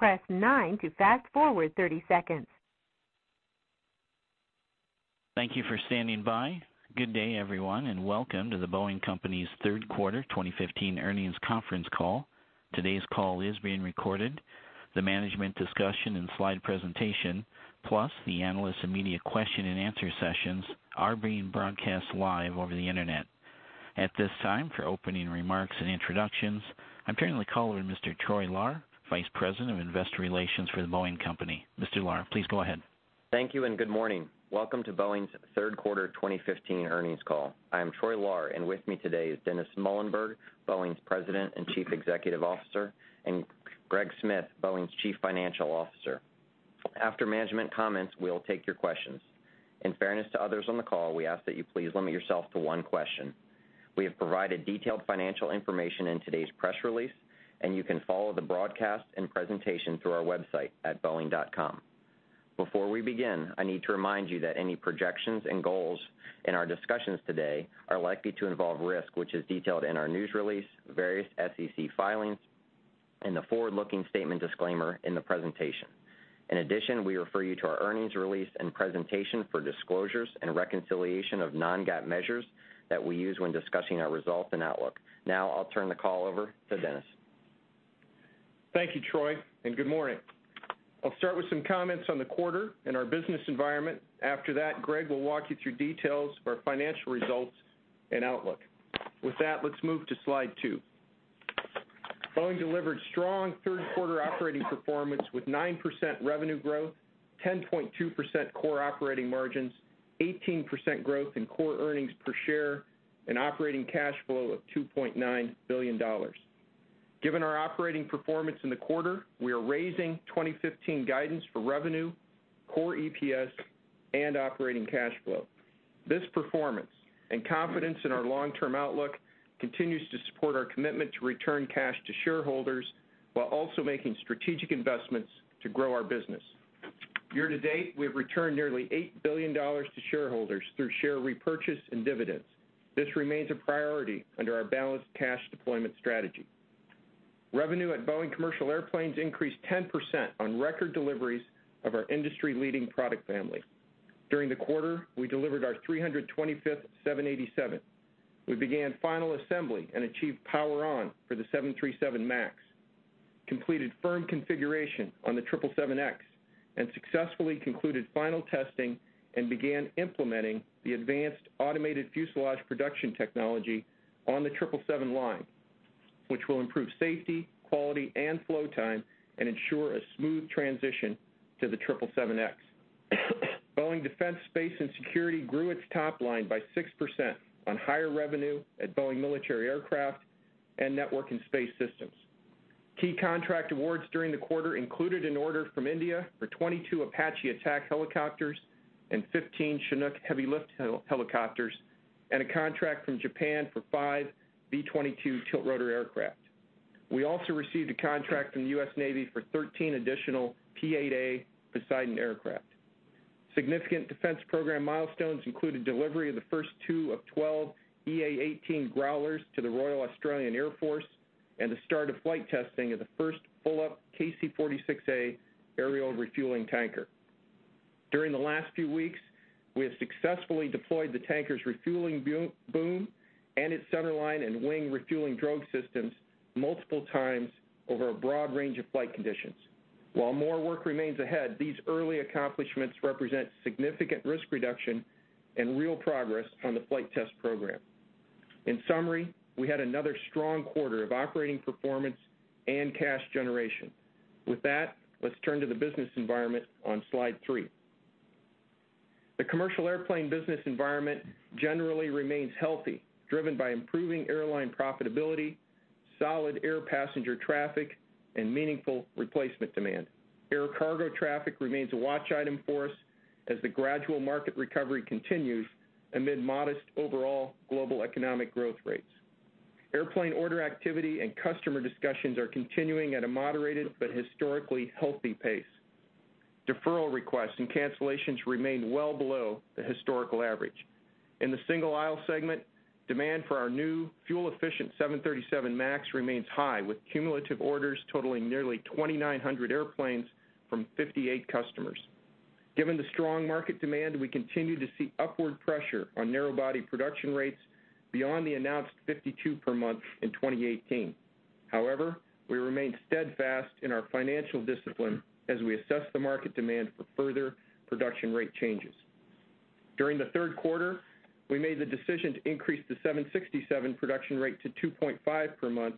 Thank you for standing by. Good day, everyone, and welcome to The Boeing Company's third quarter 2015 earnings conference call. Today's call is being recorded. The management discussion and slide presentation, plus the analyst and media question and answer sessions are being broadcast live over the internet. At this time, for opening remarks and introductions, I'm turning the call over to Mr. Troy Lahr, Vice President of Investor Relations for The Boeing Company. Mr. Lahr, please go ahead. Thank you, and good morning. Welcome to Boeing's third quarter 2015 earnings call. I am Troy Lahr, and with me today is Dennis Muilenburg, Boeing's President and Chief Executive Officer, and Greg Smith, Boeing's Chief Financial Officer. After management comments, we'll take your questions. In fairness to others on the call, we ask that you please limit yourself to one question. We have provided detailed financial information in today's press release, and you can follow the broadcast and presentation through our website at boeing.com. Before we begin, I need to remind you that any projections and goals in our discussions today are likely to involve risk, which is detailed in our news release, various SEC filings, and the forward-looking statement disclaimer in the presentation. In addition, we refer you to our earnings release and presentation for disclosures and reconciliation of non-GAAP measures that we use when discussing our results and outlook. Now, I'll turn the call over to Dennis. Thank you, Troy, and good morning. I'll start with some comments on the quarter and our business environment. After that, Greg will walk you through details of our financial results and outlook. With that, let's move to slide two. Boeing delivered strong third quarter operating performance with 9% revenue growth, 10.2% core operating margins, 18% growth in core EPS, and operating cash flow of $2.9 billion. Given our operating performance in the quarter, we are raising 2015 guidance for revenue, core EPS, and operating cash flow. This performance and confidence in our long-term outlook continues to support our commitment to return cash to shareholders, while also making strategic investments to grow our business. Year to date, we have returned nearly $8 billion to shareholders through share repurchase and dividends. This remains a priority under our balanced cash deployment strategy. Revenue at Boeing Commercial Airplanes increased 10% on record deliveries of our industry-leading product family. During the quarter, we delivered our 325th 787. We began final assembly and achieved power on for the 737 MAX, completed firm configuration on the 777X, and successfully concluded final testing and began implementing the advanced automated fuselage production technology on the 777 line, which will improve safety, quality, and flow time and ensure a smooth transition to the 777X. Boeing Defense, Space & Security grew its top line by 6% on higher revenue at Boeing Military Aircraft and Network and Space Systems. Key contract awards during the quarter included an order from India for 22 Apache attack helicopters and 15 Chinook heavy-lift helicopters, and a contract from Japan for five V-22 tiltrotor aircraft. We also received a contract from the U.S. Navy for 13 additional P-8A Poseidon aircraft. Significant defense program milestones included delivery of the first two of 12 EA-18G Growlers to the Royal Australian Air Force and the start of flight testing of the first full-up KC-46A aerial refueling tanker. During the last few weeks, we have successfully deployed the tanker's refueling boom and its centerline and wing refueling drogue systems multiple times over a broad range of flight conditions. While more work remains ahead, these early accomplishments represent significant risk reduction and real progress on the flight test program. In summary, we had another strong quarter of operating performance and cash generation. With that, let's turn to the business environment on slide three. The commercial airplane business environment generally remains healthy, driven by improving airline profitability, solid air passenger traffic, and meaningful replacement demand. Air cargo traffic remains a watch item for us as the gradual market recovery continues amid modest overall global economic growth rates. Airplane order activity and customer discussions are continuing at a moderated but historically healthy pace. Deferral requests and cancellations remain well below the historical average. In the single aisle segment, demand for our new fuel-efficient 737 MAX remains high, with cumulative orders totaling nearly 2,900 airplanes from 58 customers. Given the strong market demand, we continue to see upward pressure on narrow body production rates beyond the announced 52 per month in 2018. However, we remain steadfast in our financial discipline as we assess the market demand for further production rate changes. During the third quarter, we made the decision to increase the 767 production rate to 2.5 per month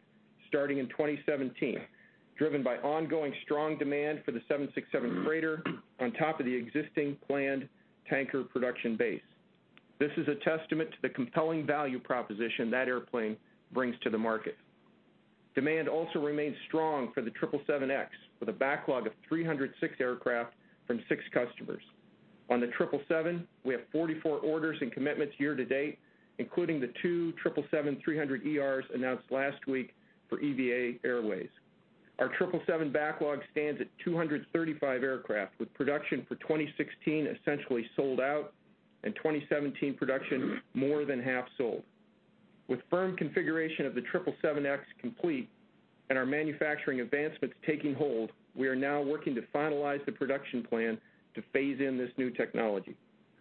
starting in 2017, driven by ongoing strong demand for the 767 Freighter on top of the existing planned tanker production base. This is a testament to the compelling value proposition that airplane brings to the market. Demand also remains strong for the 777X, with a backlog of 306 aircraft from six customers. On the 777, we have 44 orders and commitments year to date, including the two 777-300ERs announced last week for EVA Air. Our 777 backlog stands at 235 aircraft, with production for 2016 essentially sold out and 2017 production more than half sold. With firm configuration of the 777X complete and our manufacturing advancements taking hold, we are now working to finalize the production plan to phase in this new technology.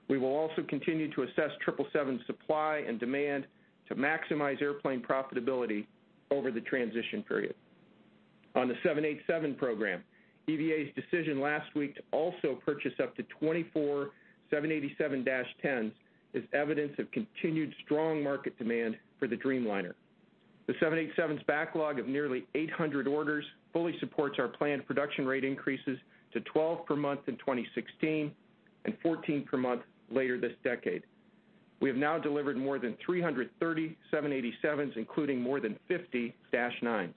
We will also continue to assess 777 supply and demand to maximize airplane profitability over the transition period. On the 787 program, EVA's decision last week to also purchase up to 24 787-10s is evidence of continued strong market demand for the Dreamliner. The 787's backlog of nearly 800 orders fully supports our planned production rate increases to 12 per month in 2016 and 14 per month later this decade. We have now delivered more than 330 787s, including more than 50 Dash nines.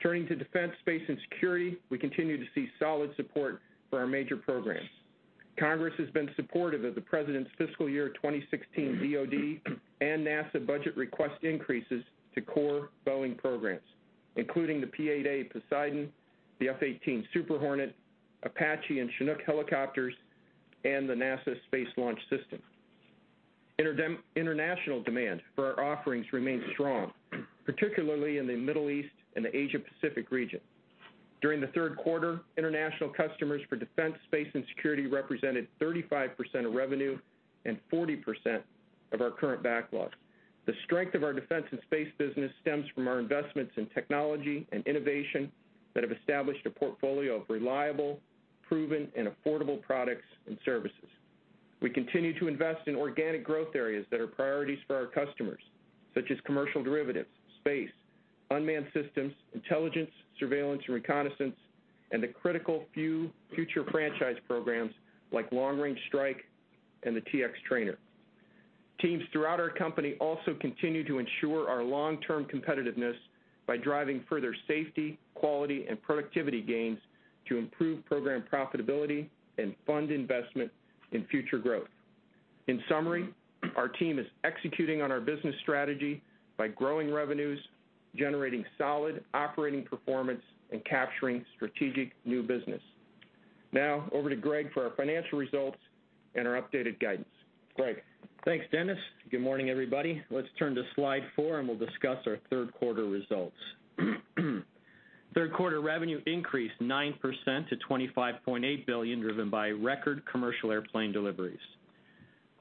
Turning to Defense, Space & Security, we continue to see solid support for our major programs. Congress has been supportive of the President's fiscal year 2016 DOD and NASA budget request increases to core Boeing programs, including the P-8A Poseidon, the F/A-18 Super Hornet, Apache and Chinook helicopters, and the NASA Space Launch System. International demand for our offerings remains strong, particularly in the Middle East and the Asia Pacific region. During the third quarter, international customers for Defense, Space & Security represented 35% of revenue and 40% of our current backlog. The strength of our Defense and Space business stems from our investments in technology and innovation that have established a portfolio of reliable, proven, and affordable products and services. We continue to invest in organic growth areas that are priorities for our customers, such as commercial derivatives, space, unmanned systems, intelligence, surveillance, and reconnaissance, and the critical few future franchise programs like Long Range Strike and the T-X Trainer. Teams throughout our company also continue to ensure our long-term competitiveness by driving further safety, quality, and productivity gains to improve program profitability and fund investment in future growth. In summary, our team is executing on our business strategy by growing revenues, generating solid operating performance, and capturing strategic new business. Now, over to Greg for our financial results and our updated guidance. Greg. Thanks, Dennis. Good morning, everybody. Let's turn to slide four, and we'll discuss our third quarter results. Third quarter revenue increased 9% to $25.8 billion, driven by record commercial airplane deliveries.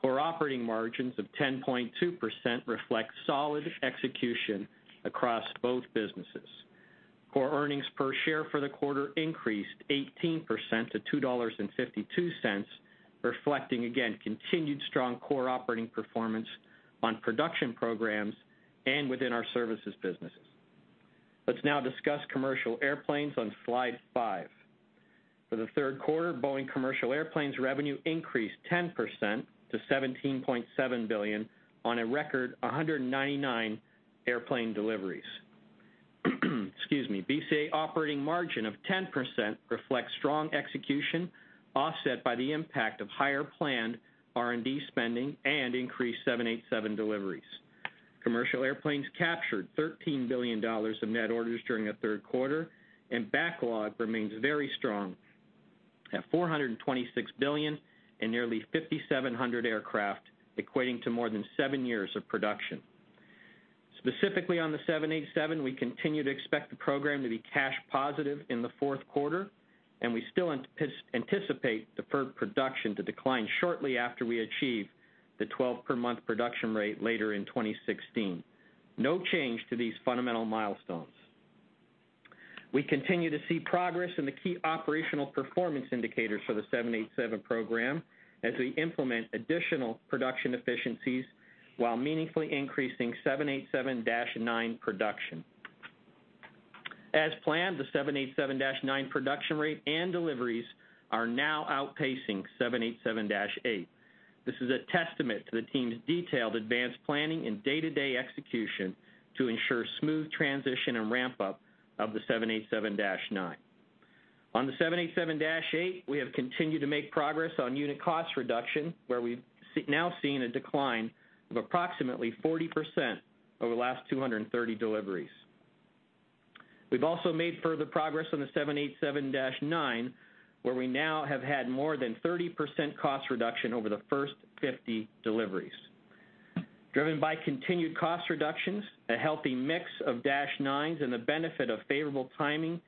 Core operating margins of 10.2% reflect solid execution across both businesses. Core earnings per share for the quarter increased 18% to $2.52, reflecting again continued strong core operating performance on production programs and within our services businesses. Let's now discuss Boeing Commercial Airplanes on slide five. For the third quarter, Boeing Commercial Airplanes revenue increased 10% to $17.7 billion on a record 199 airplane deliveries. Excuse me. BCA operating margin of 10% reflects strong execution, offset by the impact of higher planned R&D spending and increased 787 deliveries. Boeing Commercial Airplanes captured $13 billion of net orders during the third quarter, and backlog remains very strong at $426 billion and nearly 5,700 aircraft, equating to more than seven years of production. Specifically on the 787, we continue to expect the program to be cash positive in the fourth quarter, and we still anticipate deferred production to decline shortly after we achieve the 12 per month production rate later in 2016. No change to these fundamental milestones. We continue to see progress in the key operational performance indicators for the 787 program as we implement additional production efficiencies while meaningfully increasing 787-9 production. As planned, the 787-9 production rate and deliveries are now outpacing 787-8. This is a testament to the team's detailed advance planning and day-to-day execution to ensure smooth transition and ramp-up of the 787-9. On the 787-8, we have continued to make progress on unit cost reduction, where we've now seen a decline of approximately 40% over the last 230 deliveries. We've also made further progress on the 787-9, where we now have had more than 30% cost reduction over the first 50 deliveries. Driven by continued cost reductions, a healthy mix of Dash nines, and the benefit of favorable timing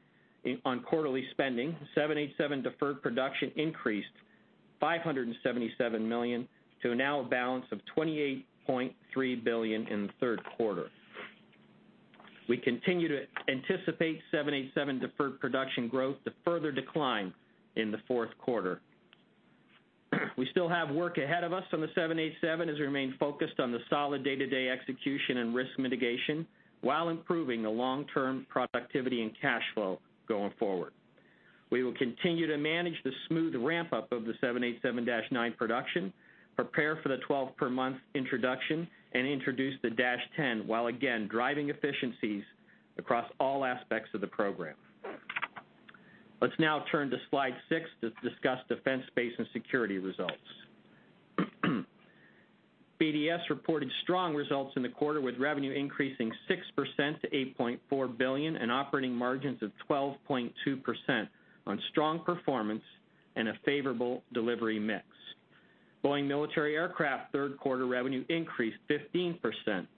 on quarterly spending, 787 deferred production increased $577 million to now a balance of $28.3 billion in the third quarter. We continue to anticipate 787 deferred production growth to further decline in the fourth quarter. We still have work ahead of us on the 787 as we remain focused on the solid day-to-day execution and risk mitigation while improving the long-term productivity and cash flow going forward. We will continue to manage the smooth ramp-up of the 787-9 production, prepare for the 12 per month introduction, and introduce the Dash 10 while, again, driving efficiencies across all aspects of the program. Let's now turn to slide six to discuss Boeing Defense, Space & Security results. BDS reported strong results in the quarter, with revenue increasing 6% to $8.4 billion and operating margins of 12.2% on strong performance and a favorable delivery mix. Boeing Military Aircraft third quarter revenue increased 15%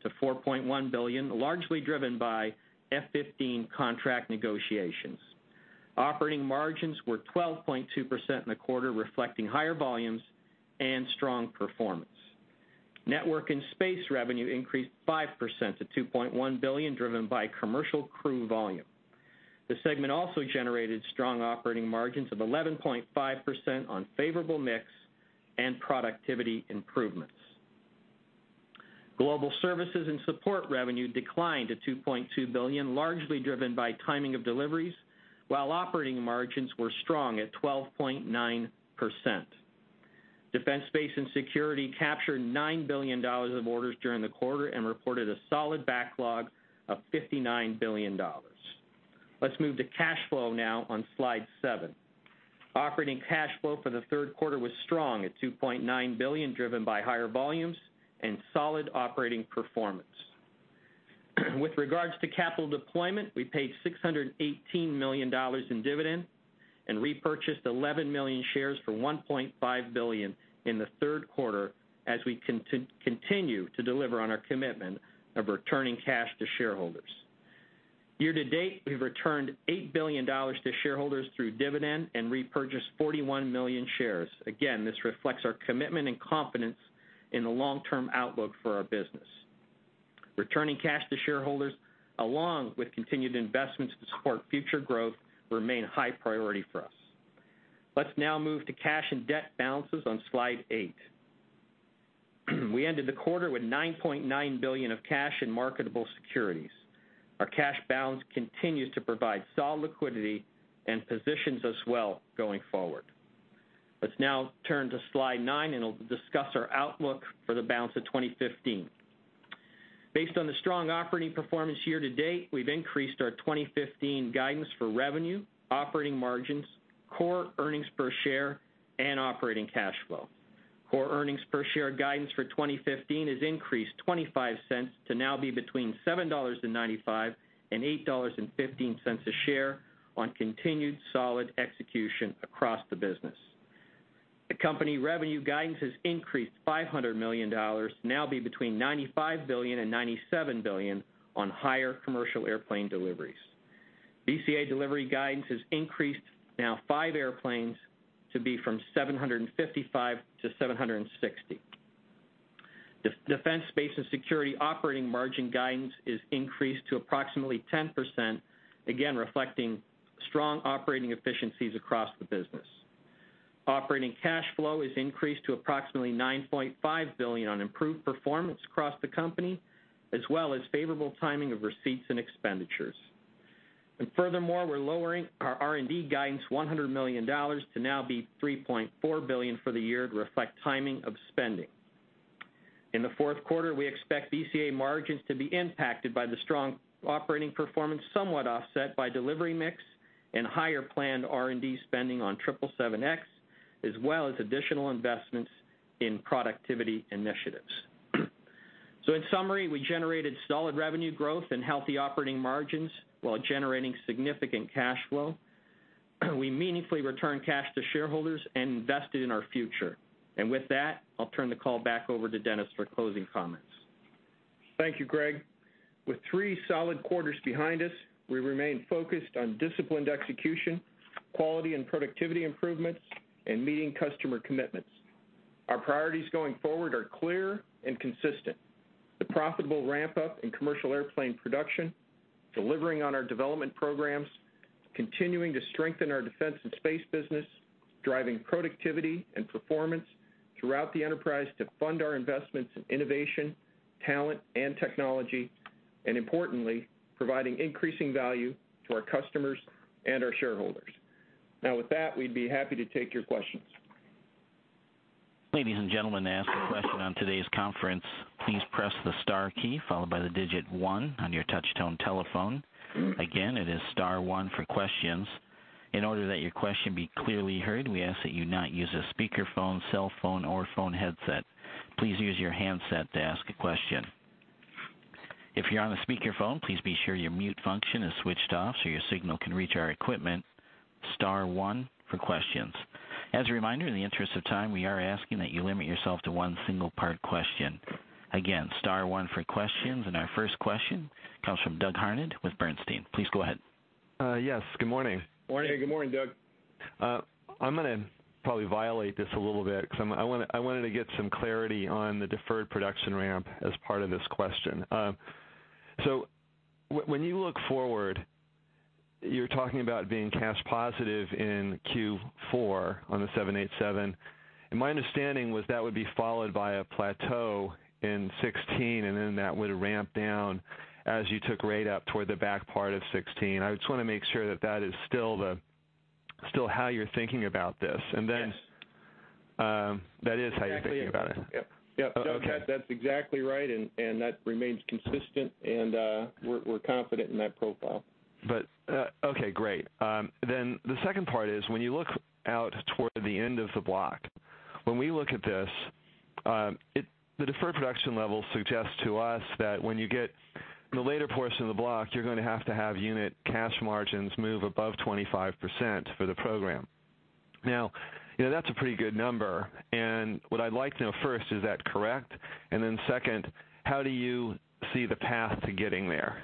to $4.1 billion, largely driven by F-15 contract negotiations. Operating margins were 12.2% in the quarter, reflecting higher volumes and strong performance. Network and Space revenue increased 5% to $2.1 billion, driven by Commercial Crew Program volume. The segment also generated strong operating margins of 11.5% on favorable mix and productivity improvements. Global Services & Support revenue declined to $2.2 billion, largely driven by timing of deliveries, while operating margins were strong at 12.9%. Boeing Defense, Space & Security captured $9 billion of orders during the quarter and reported a solid backlog of $59 billion. Let's move to cash flow now on slide seven. Operating cash flow for the third quarter was strong at $2.9 billion, driven by higher volumes and solid operating performance. With regards to capital deployment, we paid $618 million in dividends and repurchased 11 million shares for $1.5 billion in the third quarter, as we continue to deliver on our commitment of returning cash to shareholders. Year to date, we've returned $8 billion to shareholders through dividends and repurchased 41 million shares. This reflects our commitment and confidence in the long-term outlook for our business. Returning cash to shareholders, along with continued investments to support future growth, remain a high priority for us. Let's now move to cash and debt balances on slide eight. We ended the quarter with $9.9 billion of cash and marketable securities. Our cash balance continues to provide solid liquidity and positions us well going forward. Let's now turn to slide nine, it'll discuss our outlook for the balance of 2015. Based on the strong operating performance year to date, we've increased our 2015 guidance for revenue, operating margins, core earnings per share, and operating cash flow. Core earnings per share guidance for 2015 has increased $0.25 to now be between $7.95-$8.15 a share on continued solid execution across the business. The company revenue guidance has increased $500 million, to now be between $95 billion-$97 billion on higher commercial airplane deliveries. BCA delivery guidance has increased now 5 airplanes to be from 755 to 760. Defense, Space & Security operating margin guidance is increased to approximately 10%, reflecting strong operating efficiencies across the business. Operating cash flow is increased to approximately $9.5 billion on improved performance across the company, as well as favorable timing of receipts and expenditures. Furthermore, we're lowering our R&D guidance $100 million to now be $3.4 billion for the year to reflect timing of spending. In the fourth quarter, we expect BCA margins to be impacted by the strong operating performance, somewhat offset by delivery mix and higher planned R&D spending on 777X, as well as additional investments in productivity initiatives. In summary, we generated solid revenue growth and healthy operating margins while generating significant cash flow. We meaningfully returned cash to shareholders and invested in our future. With that, I'll turn the call back over to Dennis for closing comments. Thank you, Greg. With 3 solid quarters behind us, we remain focused on disciplined execution, quality and productivity improvements, and meeting customer commitments. Our priorities going forward are clear and consistent. The profitable ramp-up in commercial airplane production, delivering on our development programs, continuing to strengthen our Defense and Space business, driving productivity and performance throughout the enterprise to fund our investments in innovation, talent, and technology, and importantly, providing increasing value to our customers and our shareholders. With that, we'd be happy to take your questions. Ladies and gentlemen, to ask a question on today's conference, please press the star key, followed by the digit 1 on your touch-tone telephone. Again, it is star 1 for questions. In order that your question be clearly heard, we ask that you not use a speakerphone, cell phone, or phone headset. Please use your handset to ask a question. If you're on a speakerphone, please be sure your mute function is switched off so your signal can reach our equipment. Star 1 for questions. As a reminder, in the interest of time, we are asking that you limit yourself to 1 single part question. Again, star 1 for questions, and our first question comes from Douglas Harned with Bernstein. Please go ahead. Yes, good morning. Morning. Good morning, Doug. I'm going to probably violate this a little bit because I wanted to get some clarity on the deferred production ramp as part of this question. When you look forward, you're talking about being cash positive in Q4 on the 787, and my understanding was that would be followed by a plateau in 2016, and that would ramp down as you took rate up toward the back part of 2016. I just want to make sure that is still how you're thinking about this. Then. Yes. That is how you're thinking about it. Yep. Okay. Doug, that's exactly right, and that remains consistent, and we're confident in that profile. Okay, great. The second part is when you look out toward the end of the block, when we look at The deferred production level suggests to us that when you get in the later portion of the block, you're going to have to have unit cash margins move above 25% for the program. That's a pretty good number, and what I'd like to know first, is that correct? Second, how do you see the path to getting there?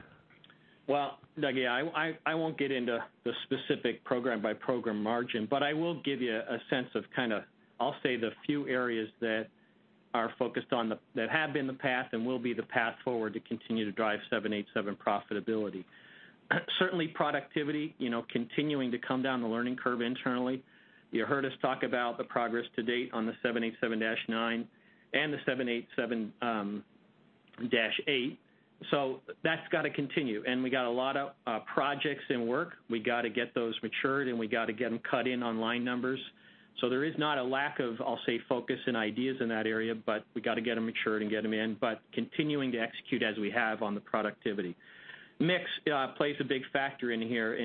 Well, Dougie, I won't get into the specific program-by-program margin, but I will give you a sense of, I'll say, the few areas that have been the path and will be the path forward to continue to drive 787 profitability. Certainly, productivity, continuing to come down the learning curve internally. You heard us talk about the progress to date on the 787-9 and the 787-8. That's got to continue. We got a lot of projects in work. We got to get those matured, and we got to get them cut in on line numbers. There is not a lack of, I'll say, focus and ideas in that area, but we got to get them matured and get them in, but continuing to execute as we have on the productivity. Mix plays a big factor in here.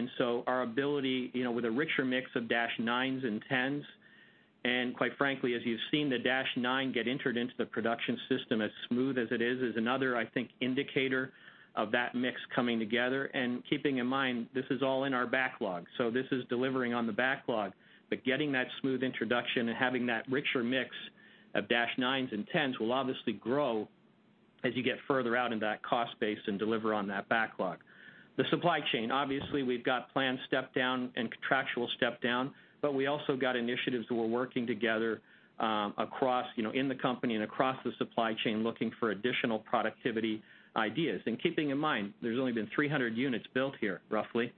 Our ability with a richer mix of dash 9s and 10s, and quite frankly, as you've seen the dash 9 get entered into the production system as smooth as it is another, I think, indicator of that mix coming together. Keeping in mind, this is all in our backlog. This is delivering on the backlog. Getting that smooth introduction and having that richer mix of dash 9s and 10s will obviously grow as you get further out in that cost base and deliver on that backlog. The supply chain, obviously we've got planned step-down and contractual step-down, but we also got initiatives that we're working together in the company and across the supply chain, looking for additional productivity ideas. Keeping in mind, there's only been 300 units built here, roughly,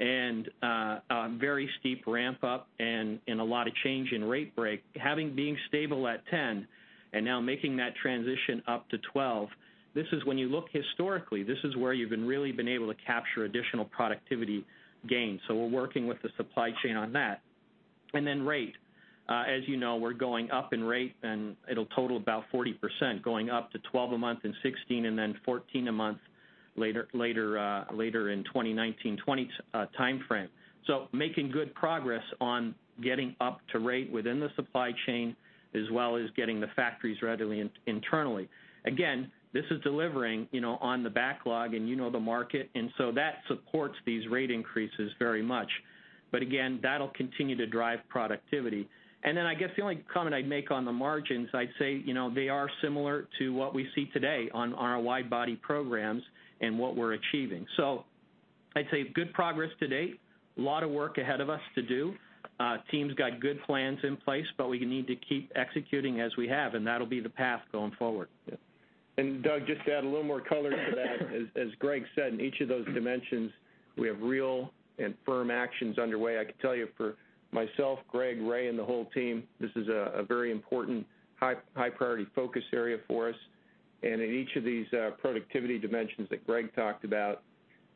and a very steep ramp-up and a lot of change in rate break. Having been stable at 10 and now making that transition up to 12, when you look historically, this is where you've really been able to capture additional productivity gains. We're working with the supply chain on that. Rate. As you know, we're going up in rate, and it'll total about 40%, going up to 12 a month in 2016, and then 14 a month later in 2019-2020 timeframe. Making good progress on getting up to rate within the supply chain, as well as getting the factories readily internally. Again, this is delivering on the backlog, and you know the market, and so that supports these rate increases very much. Again, that'll continue to drive productivity. I guess the only comment I'd make on the margins, I'd say, they are similar to what we see today on our wide-body programs and what we're achieving. I'd say good progress to date. A lot of work ahead of us to do. Team's got good plans in place, but we need to keep executing as we have, and that'll be the path going forward. Yeah. Doug, just to add a little more color to that. As Greg said, in each of those dimensions, we have real and firm actions underway. I can tell you for myself, Greg, Ray, and the whole team, this is a very important, high-priority focus area for us. In each of these productivity dimensions that Greg talked about,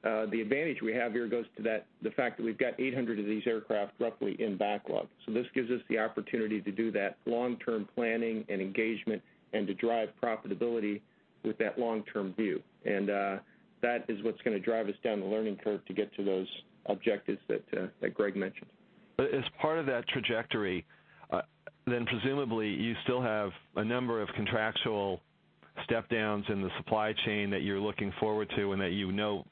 the advantage we have here goes to the fact that we've got 800 of these aircraft, roughly, in backlog. This gives us the opportunity to do that long-term planning and engagement, and to drive profitability with that long-term view. That is what's going to drive us down the learning curve to get to those objectives that Greg mentioned. As part of that trajectory, presumably you still have a number of contractual step-downs in the supply chain that you're looking forward to and that you know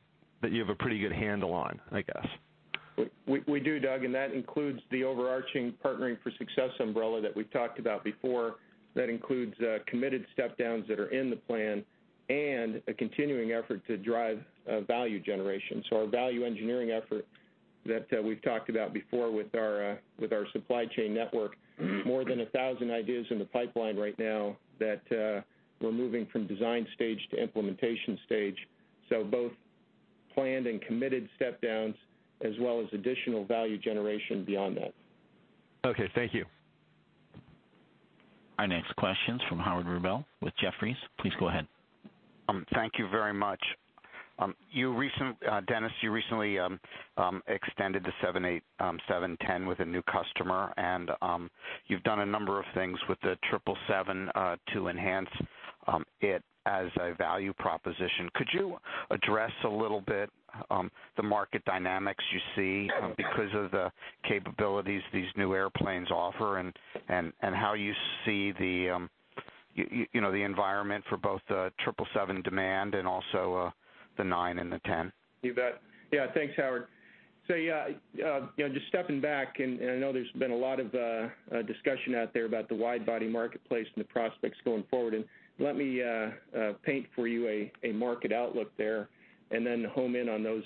that you have a pretty good handle on, I guess. We do, Doug, that includes the overarching Partnering for Success umbrella that we've talked about before. That includes committed step-downs that are in the plan and a continuing effort to drive value generation. Our value engineering effort that we've talked about before with our supply chain network, more than 1,000 ideas in the pipeline right now that we're moving from design stage to implementation stage. Both planned and committed step-downs, as well as additional value generation beyond that. Okay, thank you. Our next question's from Howard Rubel with Jefferies. Please go ahead. Thank you very much. Dennis, you recently extended the 787-10 with a new customer, and you've done a number of things with the 777 to enhance it as a value proposition. Could you address a little bit the market dynamics you see because of the capabilities these new airplanes offer and how you see the environment for both the 777 demand and also the 9 and the 10? You bet. Yeah, thanks, Howard. Just stepping back, I know there's been a lot of discussion out there about the wide-body marketplace and the prospects going forward. Let me paint for you a market outlook there, then home in on those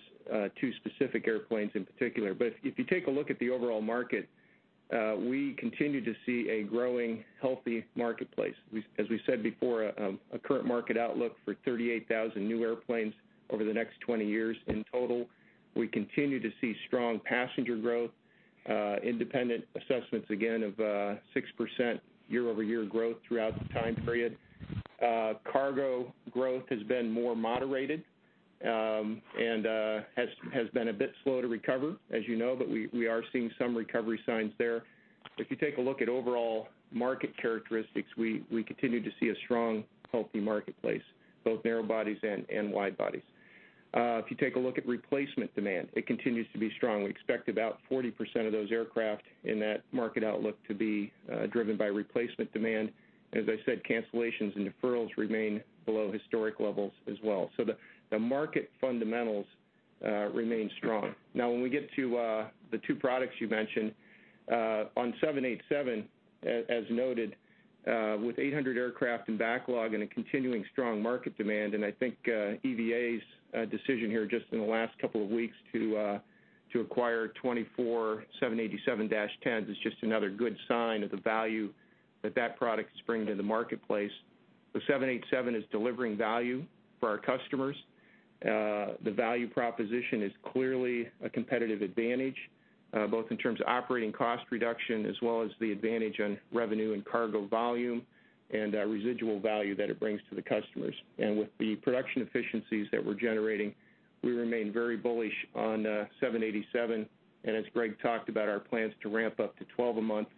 two specific airplanes in particular. If you take a look at the overall market, we continue to see a growing, healthy marketplace. As we said before, a current market outlook for 38,000 new airplanes over the next 20 years in total. We continue to see strong passenger growth, independent assessments, again, of 6% year-over-year growth throughout the time period. Cargo growth has been more moderated, has been a bit slow to recover, as you know, but we are seeing some recovery signs there. If you take a look at overall market characteristics, we continue to see a strong, healthy marketplace, both narrow bodies and wide bodies. If you take a look at replacement demand, it continues to be strong. We expect about 40% of those aircraft in that market outlook to be driven by replacement demand. As I said, cancellations and deferrals remain below historic levels as well. The market fundamentals remain strong. Now, when we get to the two products you mentioned, on 787, as noted, with 800 aircraft in backlog and a continuing strong market demand, I think EVA Air's decision here just in the last couple of weeks to acquire 24 787-10s is just another good sign of the value that product is bringing to the marketplace. The 787 is delivering value for our customers. The value proposition is clearly a competitive advantage, both in terms of operating cost reduction, as well as the advantage on revenue and cargo volume, and residual value that it brings to the customers. With the production efficiencies that we're generating, we remain very bullish on 787, and as Greg talked about, our plans to ramp up to 12 a month,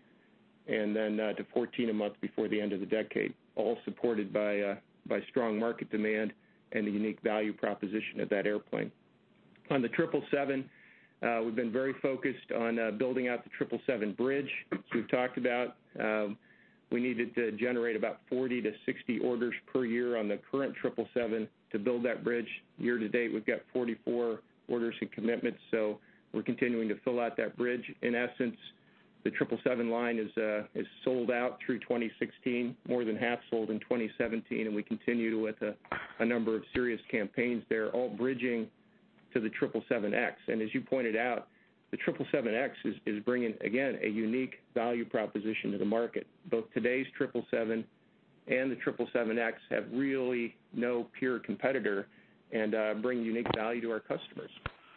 and then to 14 a month before the end of the decade, all supported by strong market demand and the unique value proposition of that airplane. On the 777, we've been very focused on building out the 777 bridge. As we've talked about, we needed to generate about 40 to 60 orders per year on the current 777 to build that bridge. Year to date, we've got 44 orders and commitments, we're continuing to fill out that bridge. In essence, the 777 line is sold out through 2016, more than half sold in 2017, we continue with a number of serious campaigns there, all bridging to the 777X. As you pointed out, the 777X is bringing, again, a unique value proposition to the market. Both today's 777 and the 777X have really no pure competitor and bring unique value to our customers.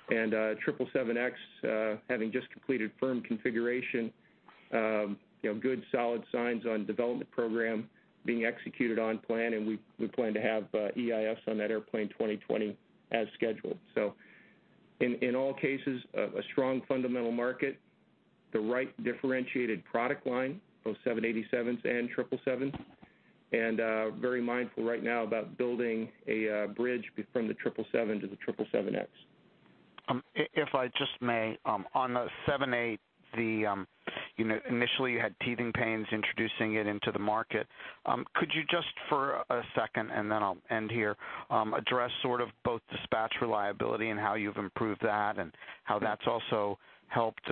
777X, having just completed firm configuration, good solid signs on development program being executed on plan, we plan to have EIS on that airplane 2020 as scheduled. In all cases, a strong fundamental market, the right differentiated product line, both 787s and 777, and very mindful right now about building a bridge from the 777 to the 777X. If I just may, on the 787, initially you had teething pains introducing it into the market. Could you just for a second, and then I'll end here, address sort of both dispatch reliability and how you've improved that, and how that's also helped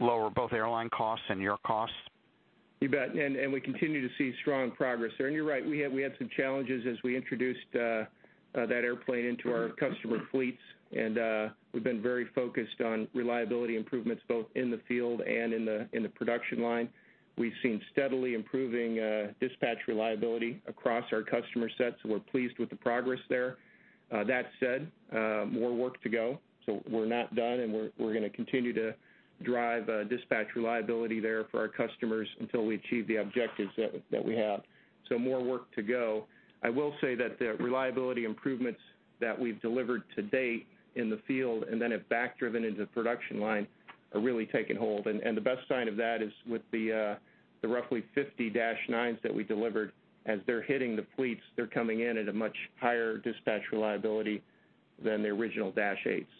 lower both airline costs and your costs? You bet. We continue to see strong progress there. You're right, we had some challenges as we introduced that airplane into our customer fleets, we've been very focused on reliability improvements, both in the field and in the production line. We've seen steadily improving dispatch reliability across our customer sets. We're pleased with the progress there. That said, more work to go. We're not done, we're going to continue to drive dispatch reliability there for our customers until we achieve the objectives that we have. More work to go. I will say that the reliability improvements that we've delivered to date in the field, and then have back driven into production line, are really taking hold. The best sign of that is with the roughly 50 Dash Nines that we delivered. As they're hitting the fleets, they're coming in at a much higher dispatch reliability than the original Dash Eights.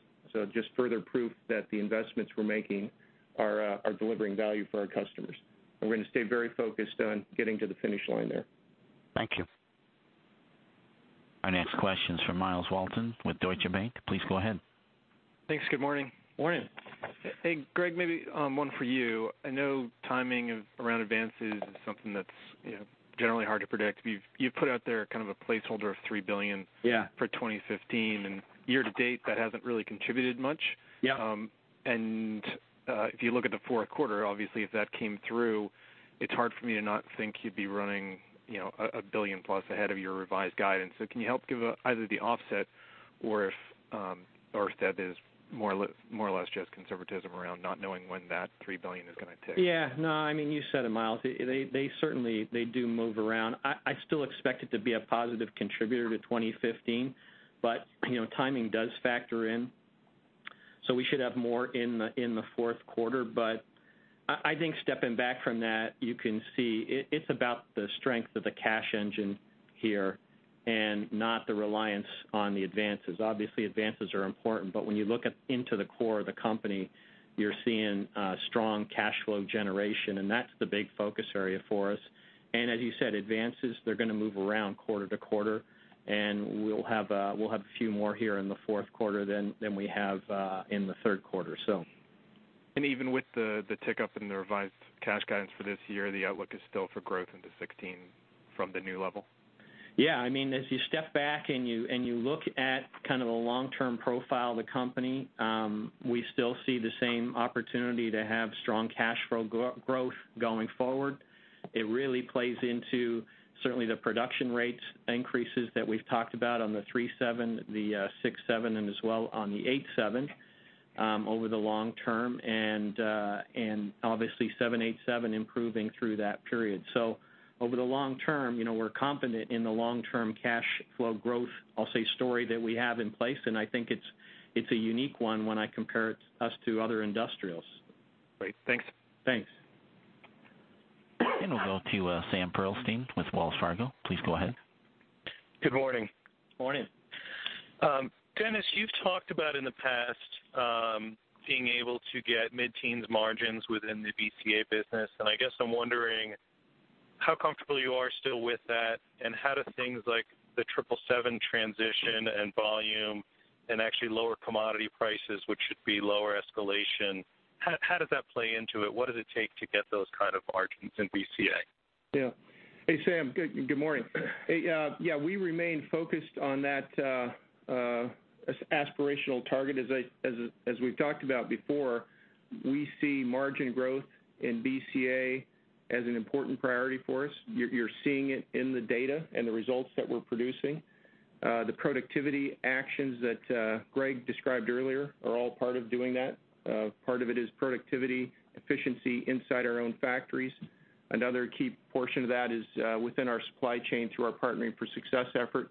Just further proof that the investments we're making are delivering value for our customers. We're going to stay very focused on getting to the finish line there. Thank you. Our next question's from Myles Walton with Deutsche Bank. Please go ahead. Thanks. Good morning. Morning. Hey, Greg, maybe one for you. I know timing around advances is something that's generally hard to predict. You've put out there kind of a placeholder of $3 billion- Yeah for 2015, year to date, that hasn't really contributed much. Yeah. If you look at the fourth quarter, obviously, if that came through, it's hard for me to not think you'd be running a $1 billion plus ahead of your revised guidance. Can you help give either the offset or if that is more or less just conservatism around not knowing when that $3 billion is going to take? You said it, Myles. They certainly do move around. I still expect it to be a positive contributor to 2015, but timing does factor in. We should have more in the fourth quarter, but I think stepping back from that, you can see it's about the strength of the cash engine here and not the reliance on the advances. Obviously, advances are important, but when you look into the core of the company, you're seeing strong cash flow generation, and that's the big focus area for us. As you said, advances, they're going to move around quarter to quarter, and we'll have a few more here in the fourth quarter than we have in the third quarter. Even with the tick up in the revised cash guidance for this year, the outlook is still for growth into 2016 from the new level? Yeah. As you step back and you look at kind of the long-term profile of the company, we still see the same opportunity to have strong cash flow growth going forward. It really plays into, certainly, the production rate increases that we've talked about on the 37, the 67, and as well on the 87 over the long term, and obviously, 787 improving through that period. Over the long term, we're confident in the long-term cash flow growth, I'll say, story that we have in place, and I think it's a unique one when I compare us to other industrials. Great. Thanks. Thanks. We'll go to Sam Pearlstein with Wells Fargo. Please go ahead. Good morning. Morning. Dennis, you've talked about in the past, being able to get mid-teens margins within the BCA business. I guess I'm wondering how comfortable you are still with that, how do things like the 777 transition and volume and actually lower commodity prices, which should be lower escalation, how does that play into it? What does it take to get those kind of margins in BCA? Yeah. Hey, Sam, good morning. Hey, yeah, we remain focused on that aspirational target as we've talked about before. We see margin growth in BCA as an important priority for us. You're seeing it in the data and the results that we're producing. The productivity actions that Greg described earlier are all part of doing that. Part of it is productivity, efficiency inside our own factories. Another key portion of that is within our supply chain through our Partnering for Success effort.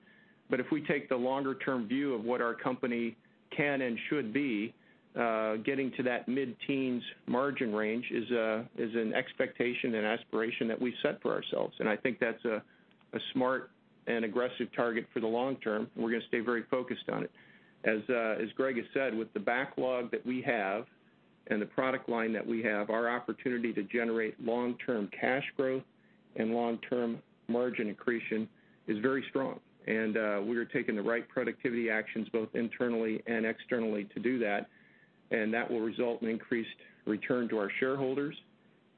If we take the longer-term view of what our company can and should be, getting to that mid-teens margin range is an expectation and aspiration that we set for ourselves. I think that's a smart and aggressive target for the long term, we're going to stay very focused on it. As Greg has said, with the backlog that we have and the product line that we have, our opportunity to generate long-term cash growth and long-term margin accretion is very strong. We are taking the right productivity actions, both internally and externally, to do that will result in increased return to our shareholders,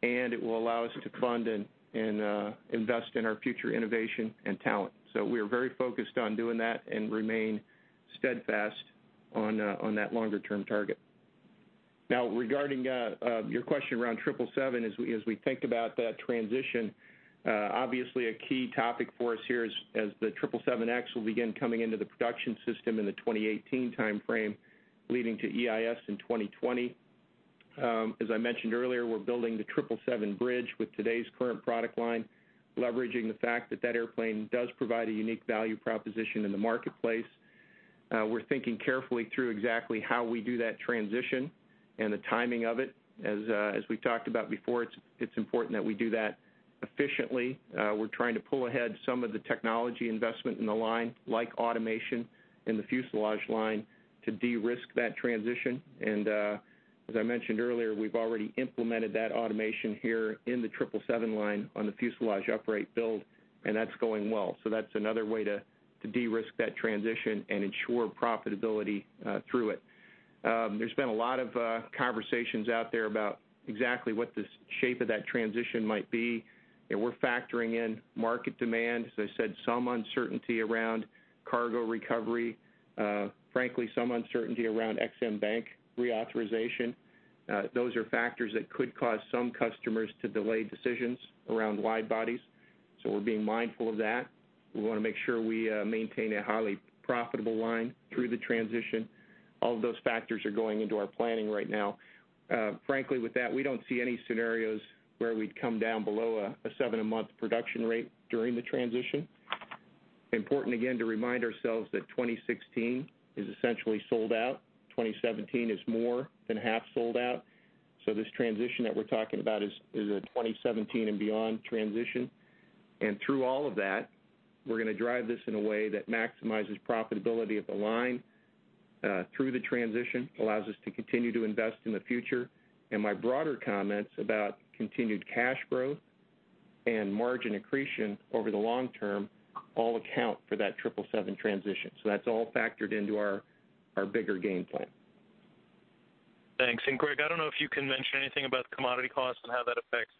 it will allow us to fund and invest in our future innovation and talent. We are very focused on doing that and remain steadfast on that longer-term target. Regarding your question around 777, as we think about that transition, obviously, a key topic for us here, as the 777X will begin coming into the production system in the 2018 timeframe, leading to EIS in 2020. As I mentioned earlier, we're building the 777 bridge with today's current product line, leveraging the fact that that airplane does provide a unique value proposition in the marketplace. We're thinking carefully through exactly how we do that transition and the timing of it. As we've talked about before, it's important that we do that efficiently. We're trying to pull ahead some of the technology investment in the line, like automation in the fuselage line to de-risk that transition. As I mentioned earlier, we've already implemented that automation here in the 777 line on the fuselage upright build, that's going well. That's another way to de-risk that transition and ensure profitability through it. There's been a lot of conversations out there about exactly what the shape of that transition might be, we're factoring in market demand. As I said, some uncertainty around cargo recovery. Frankly, some uncertainty around Ex-Im Bank reauthorization. Those are factors that could cause some customers to delay decisions around wide bodies, so we're being mindful of that. We want to make sure we maintain a highly profitable line through the transition. All of those factors are going into our planning right now. Frankly, with that, we don't see any scenarios where we'd come down below a 7-a-month production rate during the transition. Important, again, to remind ourselves that 2016 is essentially sold out. 2017 is more than half sold out. This transition that we're talking about is a 2017 and beyond transition. Through all of that, we're going to drive this in a way that maximizes profitability of the line through the transition, allows us to continue to invest in the future. My broader comments about continued cash growth and margin accretion over the long term all account for that 777 transition. That's all factored into our bigger game plan. Thanks. Greg, I don't know if you can mention anything about commodity costs and how that affects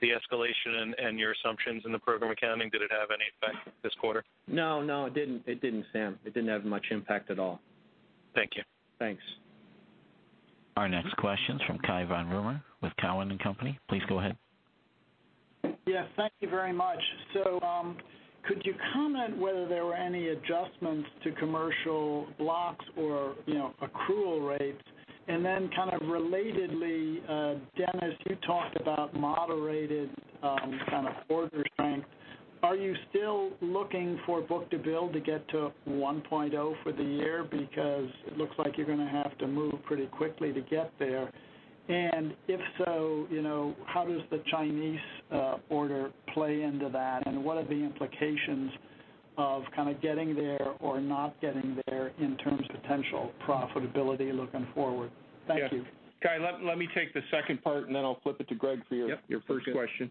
the escalation and your assumptions in the program accounting. Did it have any effect this quarter? No, it didn't, Sam. It didn't have much impact at all. Thank you. Thanks. Our next question's from Cai von Rumohr with Cowen and Company. Please go ahead. Yes, thank you very much. Could you comment whether there were any adjustments to commercial blocks or accrual rates? Then kind of relatedly, Dennis, you talked about moderated kind of order strength. Are you still looking for book-to-bill to get to 1.0 for the year? Because it looks like you're going to have to move pretty quickly to get there. If so, how does the Chinese order play into that? And what are the implications of kind of getting there or not getting there in terms of potential profitability looking forward? Thank you. Yeah. Cai, let me take the second part, and then I'll flip it to Greg for your first question.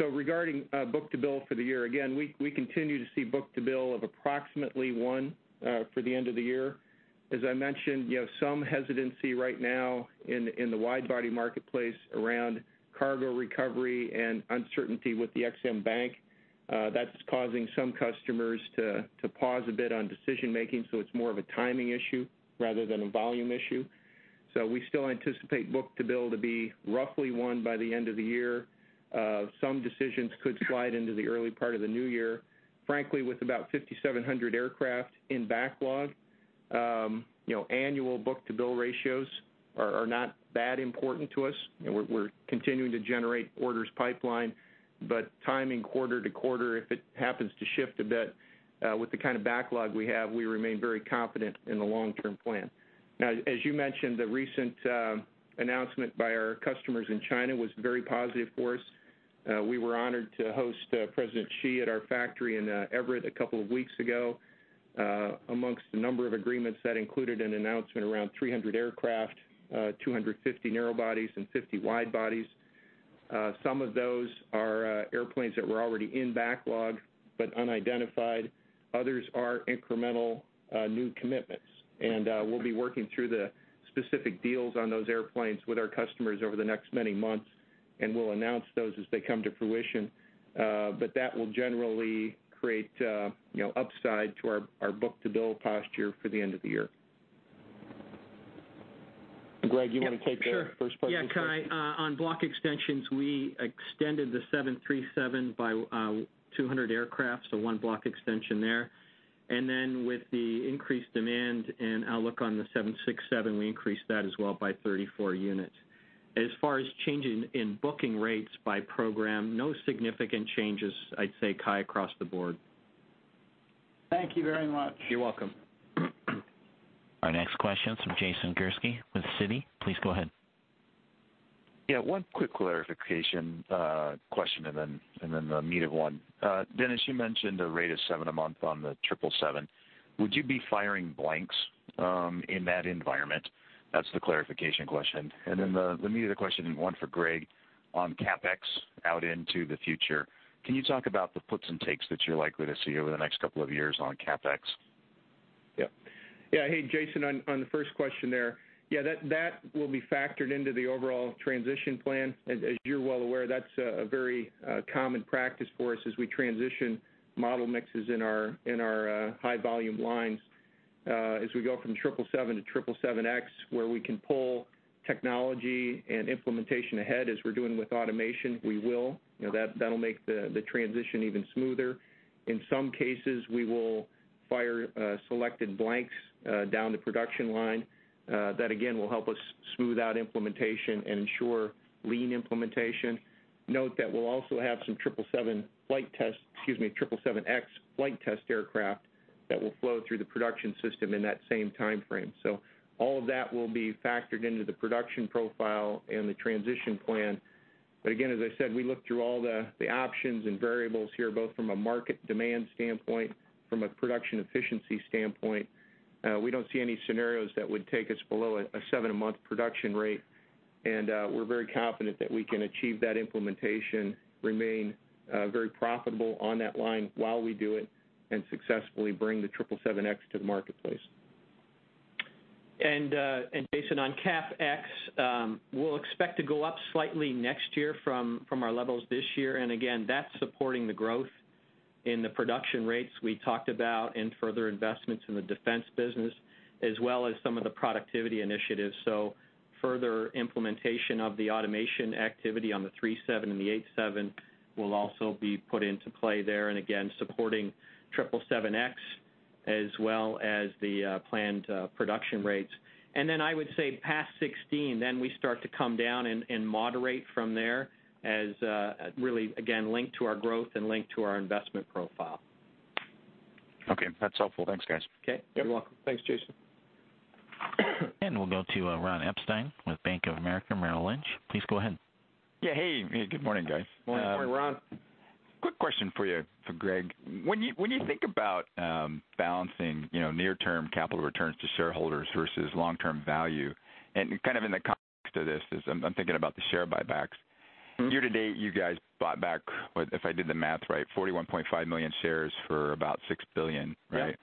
Regarding book-to-bill for the year, again, we continue to see book-to-bill of approximately one for the end of the year. As I mentioned, you have some hesitancy right now in the wide-body marketplace around cargo recovery and uncertainty with the Ex-Im Bank. That's causing some customers to pause a bit on decision-making, it's more of a timing issue rather than a volume issue. We still anticipate book-to-bill to be roughly one by the end of the year. Some decisions could slide into the early part of the new year. Frankly, with about 5,700 aircraft in backlog, annual book-to-bill ratios are not that important to us. We're continuing to generate orders pipeline. Timing quarter-to-quarter, if it happens to shift a bit, with the kind of backlog we have, we remain very confident in the long-term plan. As you mentioned, the recent announcement by our customers in China was very positive for us. We were honored to host President Xi at our factory in Everett a couple of weeks ago, amongst a number of agreements that included an announcement around 300 aircraft, 250 narrow bodies, and 50 wide bodies. Some of those are airplanes that were already in backlog, but unidentified. Others are incremental new commitments, and we'll be working through the specific deals on those airplanes with our customers over the next many months, and we'll announce those as they come to fruition. That will generally create upside to our book-to-bill posture for the end of the year. Greg, you want to take the first part of the question? Yeah, Cai. On block extensions, we extended the 737 by 200 aircraft, so one block extension there. With the increased demand and outlook on the 767, we increased that as well by 34 units. As far as changing in booking rates by program, no significant changes, I'd say, Cai, across the board. Thank you very much. You're welcome. Our next question is from Jason Gursky with Citi. Please go ahead. Yeah. One quick clarification question and then the meat of one. Dennis, you mentioned a rate of seven a month on the 777. Would you be firing blanks in that environment? That's the clarification question. The meat of the question, and one for Greg on CapEx out into the future. Can you talk about the puts and takes that you're likely to see over the next couple of years on CapEx? Yep. Yeah, hey, Jason, on the first question there. Yeah, that will be factored into the overall transition plan. As you're well aware, that's a very common practice for us as we transition model mixes in our high volume lines. As we go from 777 to 777X, where we can pull technology and implementation ahead, as we're doing with automation, we will. That'll make the transition even smoother. In some cases, we will fire selected blanks down the production line. That again, will help us smooth out implementation and ensure lean implementation. Note that we'll also have some 777X flight test aircraft that will flow through the production system in that same timeframe. All of that will be factored into the production profile and the transition plan. As I said, we look through all the options and variables here, both from a market demand standpoint, from a production efficiency standpoint. We don't see any scenarios that would take us below a seven-a-month production rate, and we are very confident that we can achieve that implementation, remain very profitable on that line while we do it, and successfully bring the 777X to the marketplace. Jason, on CapEx, we'll expect to go up slightly next year from our levels this year. Again, that's supporting the growth in the production rates we talked about and further investments in the defense business, as well as some of the productivity initiatives. Further implementation of the automation activity on the 37 and the 87 will also be put into play there, again, supporting 777X as well as the planned production rates. I would say past 2016, then we start to come down and moderate from there as really, again, linked to our growth and linked to our investment profile. Okay, that's helpful. Thanks, guys. Okay. You're welcome. Thanks, Jason. We'll go to Ronald Epstein with Bank of America Merrill Lynch. Please go ahead. Yeah. Hey, good morning, guys. Morning. Morning, Ron. Quick question for you, for Greg. When you think about balancing near-term capital returns to shareholders versus long-term value, and kind of in the context of this is I'm thinking about the share buybacks. Year to date, you guys bought back, if I did the math right, 41.5 million shares for about $6 billion, right? Yep.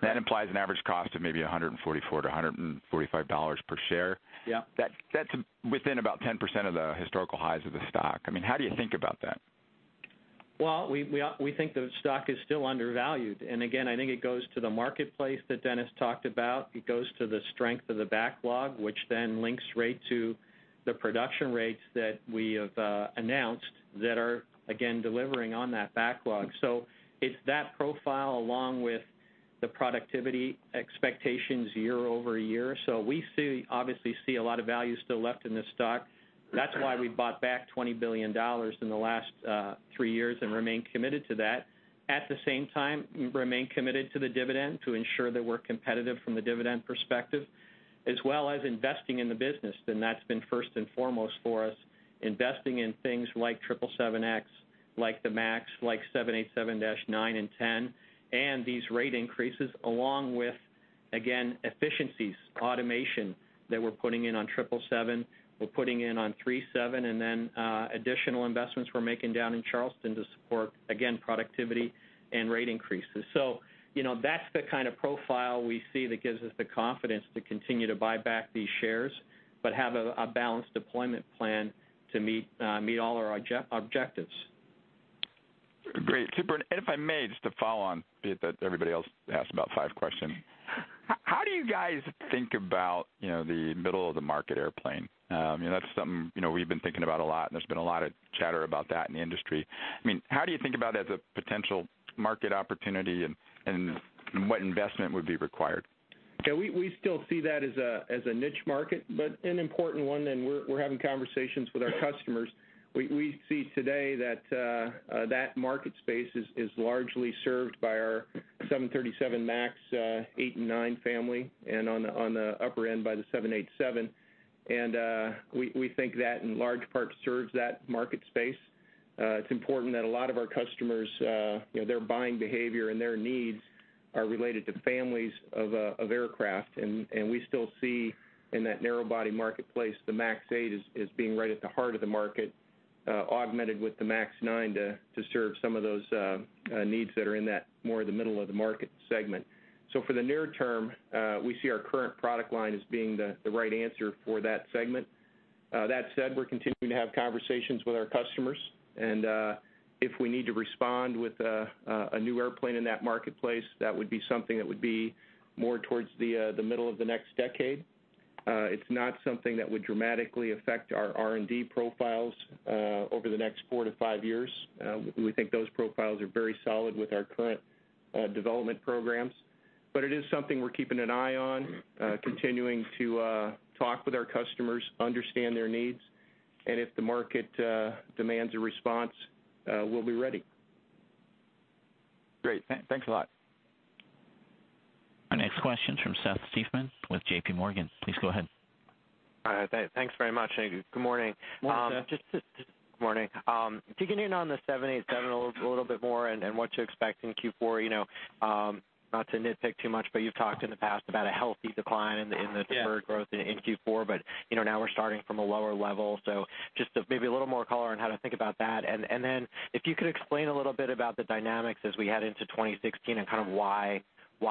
That implies an average cost of maybe $144-$145 per share. Yeah. That's within about 10% of the historical highs of the stock. How do you think about that? Well, we think the stock is still undervalued. Again, I think it goes to the marketplace that Dennis talked about. It goes to the strength of the backlog, which then links right to the production rates that we have announced that are, again, delivering on that backlog. It's that profile along with the productivity expectations year-over-year. We obviously see a lot of value still left in this stock. That's why we bought back $20 billion in the last three years and remain committed to that. At the same time, remain committed to the dividend to ensure that we're competitive from the dividend perspective, as well as investing in the business, and that's been first and foremost for us, investing in things like 777X, like the Max, like 787-9 and 10, and these rate increases along with, again, efficiencies, automation that we're putting in on 777, we're putting in on 37, and then additional investments we're making down in Charleston to support, again, productivity and rate increases. That's the kind of profile we see that gives us the confidence to continue to buy back these shares, but have a balanced deployment plan to meet all our objectives. Great. Super. If I may, just to follow on, be it that everybody else asked about five questions. How do you guys think about the middle-of-the-market airplane? That's something we've been thinking about a lot, and there's been a lot of chatter about that in the industry. How do you think about it as a potential market opportunity, and what investment would be required? We still see that as a niche market, but an important one. We're having conversations with our customers. We see today that that market space is largely served by our 737 MAX 8 and 9 family, and on the upper end by the 787. We think that in large part serves that market space. It's important that a lot of our customers, their buying behavior and their needs are related to families of aircraft, and we still see in that narrow body marketplace, the MAX 8 as being right at the heart of the market, augmented with the MAX 9 to serve some of those needs that are in that more of the middle-of-the-market segment. For the near term, we see our current product line as being the right answer for that segment. That said, we're continuing to have conversations with our customers. If we need to respond with a new airplane in that marketplace, that would be something that would be more towards the middle of the next decade. It's not something that would dramatically affect our R&D profiles over the next four to five years. We think those profiles are very solid with our current development programs. It is something we're keeping an eye on, continuing to talk with our customers, understand their needs. If the market demands a response, we'll be ready. Great. Thanks a lot. Our next question's from Seth Seifman with JPMorgan. Please go ahead. All right. Thanks very much, good morning. Morning, Seth. Good morning. Digging in on the 787 a little bit more what to expect in Q4, not to nitpick too much, you've talked in the past about a healthy decline. Yeah Now we're starting from a lower level. Just maybe a little more color on how to think about that. Then if you could explain a little bit about the dynamics as we head into 2016 and kind of why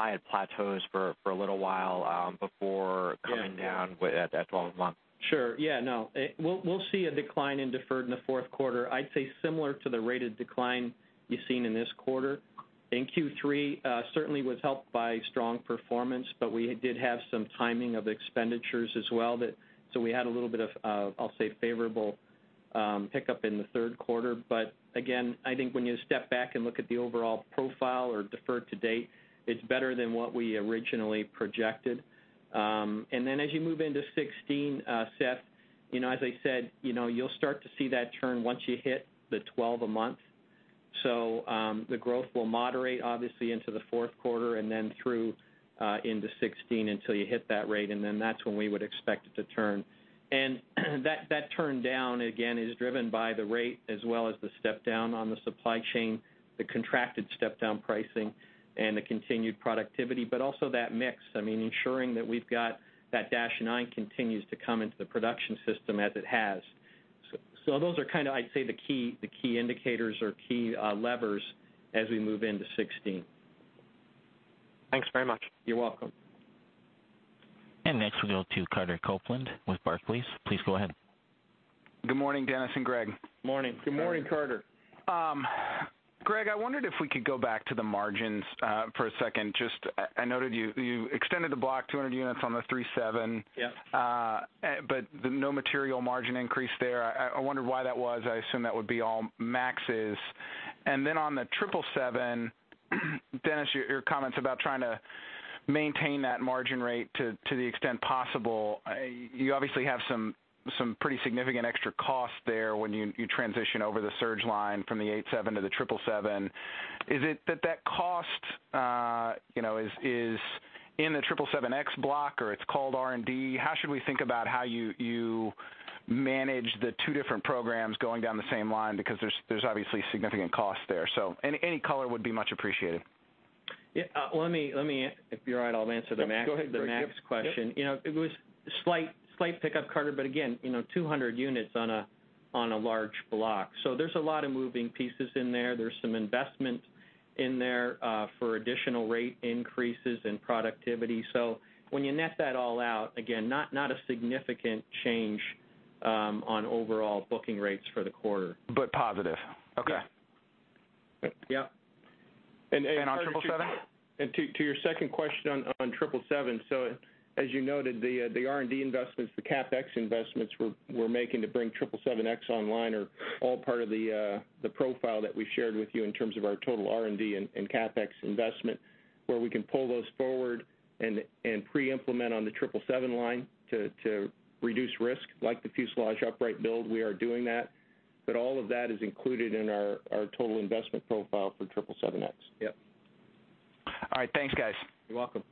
it plateaus for a little while before coming down at 12 a month. Sure. Yeah, no. We'll see a decline in deferred in the fourth quarter, I'd say similar to the rate of decline you've seen in this quarter. In Q3, certainly was helped by strong performance, we did have some timing of expenditures as well, so we had a little bit of, I'll say, favorable pickup in the third quarter. Again, I think when you step back and look at the overall profile or deferred to date, it's better than what we originally projected. Then as you move into 2016, Seth, as I said, you'll start to see that turn once you hit the 12 a month. The growth will moderate obviously into the fourth quarter and then through into 2016 until you hit that rate, then that's when we would expect it to turn. That turn down, again, is driven by the rate as well as the step-down on the supply chain, the contracted step-down pricing, and the continued productivity, also that mix, ensuring that we've got that dash nine continues to come into the production system as it has. Those are, I'd say, the key indicators or key levers as we move into 2016. Thanks very much. You're welcome. Next we go to Carter Copeland with Barclays. Please go ahead. Good morning, Dennis and Greg. Morning. Good morning, Carter. Greg, I wondered if we could go back to the margins for a second. I noted you extended the block 200 units on the 3-7. Yeah. No material margin increase there. I wonder why that was. I assume that would be all MAXes. On the 777, Dennis, your comments about trying to maintain that margin rate to the extent possible, you obviously have some pretty significant extra cost there when you transition over the surge line from the 8-7 to the 777. Is it that that cost is in the 777X block or it's called R&D? How should we think about how you manage the two different programs going down the same line? There's obviously significant cost there. Any color would be much appreciated. Yeah. If you're all right, I'll answer the MAX- Yep, go ahead, Greg. the MAX question. Yep. It was slight pickup, Carter, again, 200 units on a large block. There's a lot of moving pieces in there. There's some investment in there for additional rate increases and productivity. When you net that all out, again, not a significant change on overall booking rates for the quarter. Positive. Okay. Yeah. On 777? To your second question on 777, as you noted, the R&D investments, the CapEx investments we're making to bring 777X online are all part of the profile that we shared with you in terms of our total R&D and CapEx investment, where we can pull those forward and pre-implement on the 777 line to reduce risk, like the fuselage upright build, we are doing that. All of that is included in our total investment profile for 777X. Yep. All right. Thanks, guys. You're welcome.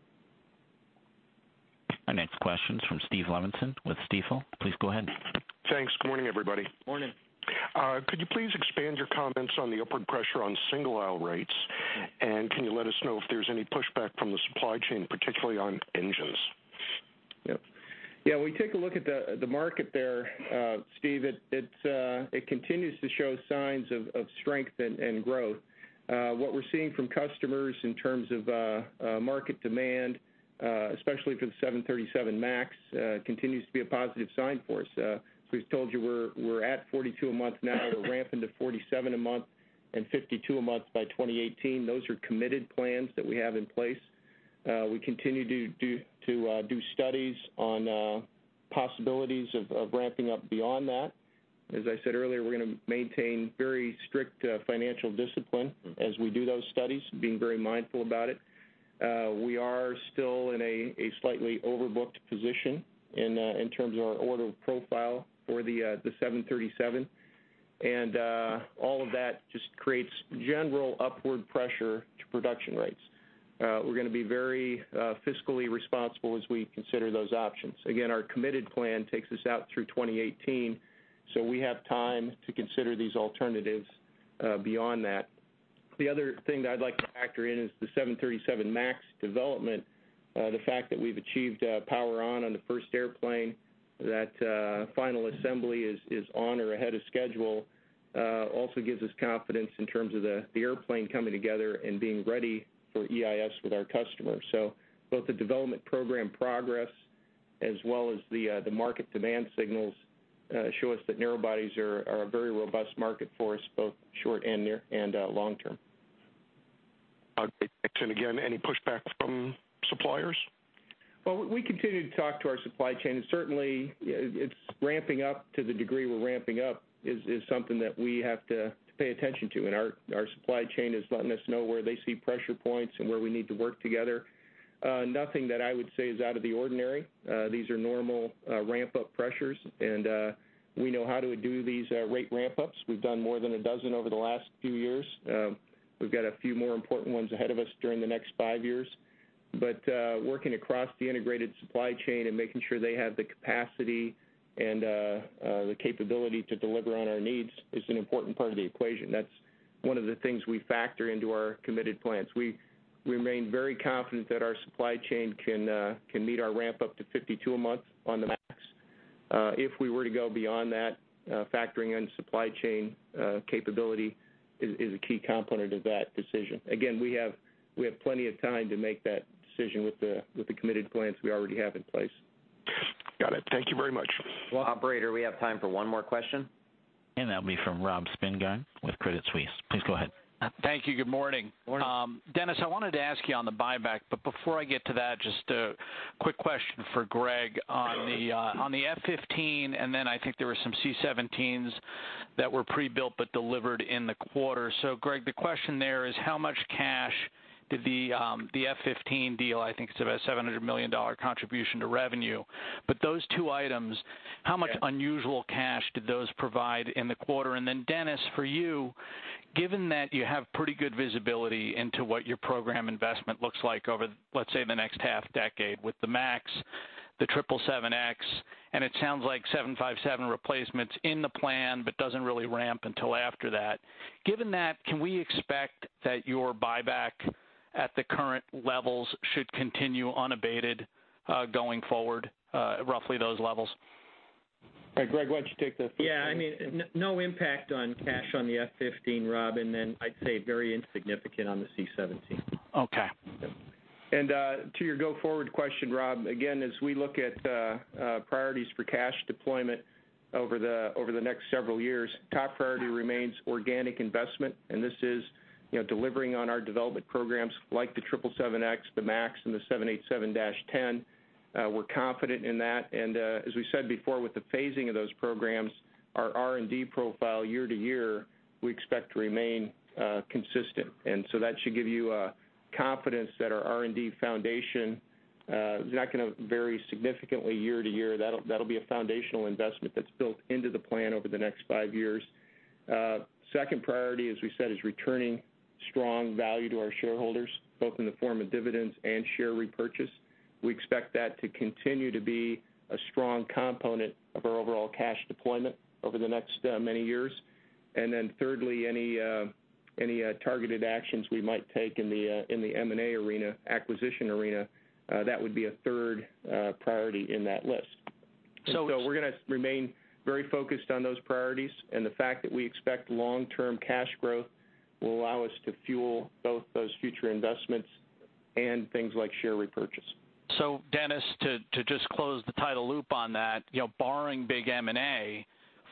Our next question's from Steph Levenson with Stifel. Please go ahead. Thanks. Good morning, everybody. Morning. Could you please expand your comments on the upward pressure on single aisle rates? Can you let us know if there's any pushback from the supply chain, particularly on engines? Yep. Yeah, we take a look at the market there, Steve. It continues to show signs of strength and growth. What we're seeing from customers in terms of market demand, especially for the 737 MAX, continues to be a positive sign for us. As we've told you, we're at 42 a month now. We're ramping to 47 a month, and 52 a month by 2018. Those are committed plans that we have in place. We continue to do studies on possibilities of ramping up beyond that. As I said earlier, we're going to maintain very strict financial discipline as we do those studies, being very mindful about it. We are still in a slightly overbooked position in terms of our order profile for the 737, all of that just creates general upward pressure to production rates. We're going to be very fiscally responsible as we consider those options. Again, our committed plan takes us out through 2018, we have time to consider these alternatives beyond that. The other thing that I'd like to factor in is the 737 MAX development. The fact that we've achieved power on the first airplane, that final assembly is on or ahead of schedule, also gives us confidence in terms of the airplane coming together and being ready for EIS with our customers. Both the development program progress as well as the market demand signals show us that narrow bodies are a very robust market for us, both short and long-term. Okay, thanks. Any pushback from suppliers? We continue to talk to our supply chain, certainly, it's ramping up to the degree we're ramping up, is something that we have to pay attention to. Our supply chain is letting us know where they see pressure points and where we need to work together. Nothing that I would say is out of the ordinary. These are normal ramp-up pressures, we know how to do these rate ramp-ups. We've done more than 12 over the last few years. We've got a few more important ones ahead of us during the next five years. Working across the integrated supply chain and making sure they have the capacity and the capability to deliver on our needs is an important part of the equation. That's one of the things we factor into our committed plans. We remain very confident that our supply chain can meet our ramp-up to 52 a month on the MAX. If we were to go beyond that, factoring in supply chain capability is a key component of that decision. We have plenty of time to make that decision with the committed plans we already have in place. Got it. Thank you very much. Welcome. Operator, we have time for one more question. That'll be from Robert Spingarn with Credit Suisse. Please go ahead. Thank you. Good morning. Morning. Dennis, I wanted to ask you on the buyback, but before I get to that, just a quick question for Greg on the F-15, and then I think there were some C-17s that were pre-built but delivered in the quarter. Greg, the question there is, how much cash did the F-15 deal, I think it's about a $700 million contribution to revenue, but those two items, how much unusual cash did those provide in the quarter? Dennis, for you, given that you have pretty good visibility into what your program investment looks like over, let's say, the next half-decade with the MAX, the 777X, and it sounds like 757 replacement's in the plan, but doesn't really ramp until after that. Given that, can we expect that your buyback at the current levels should continue unabated, going forward, roughly those levels? All right, Greg, why don't you take the first. Yeah, no impact on cash on the F-15, Rob. I'd say very insignificant on the C-17. Okay. To your go-forward question, Rob, again, as we look at priorities for cash deployment over the next several years, top priority remains organic investment. This is delivering on our development programs like the 777X, the MAX, and the 787-10. We're confident in that. As we said before, with the phasing of those programs, our R&D profile year to year, we expect to remain consistent. So that should give you confidence that our R&D foundation is not going to vary significantly year to year. That'll be a foundational investment that's built into the plan over the next five years. Second priority, as we said, is returning strong value to our shareholders, both in the form of dividends and share repurchase. We expect that to continue to be a strong component of our overall cash deployment over the next many years. Thirdly, any targeted actions we might take in the M&A arena, acquisition arena, that would be a third priority in that list. So- We're going to remain very focused on those priorities, and the fact that we expect long-term cash growth will allow us to fuel both those future investments and things like share repurchase. Dennis, to just close the tighten loop on that, barring big M&A,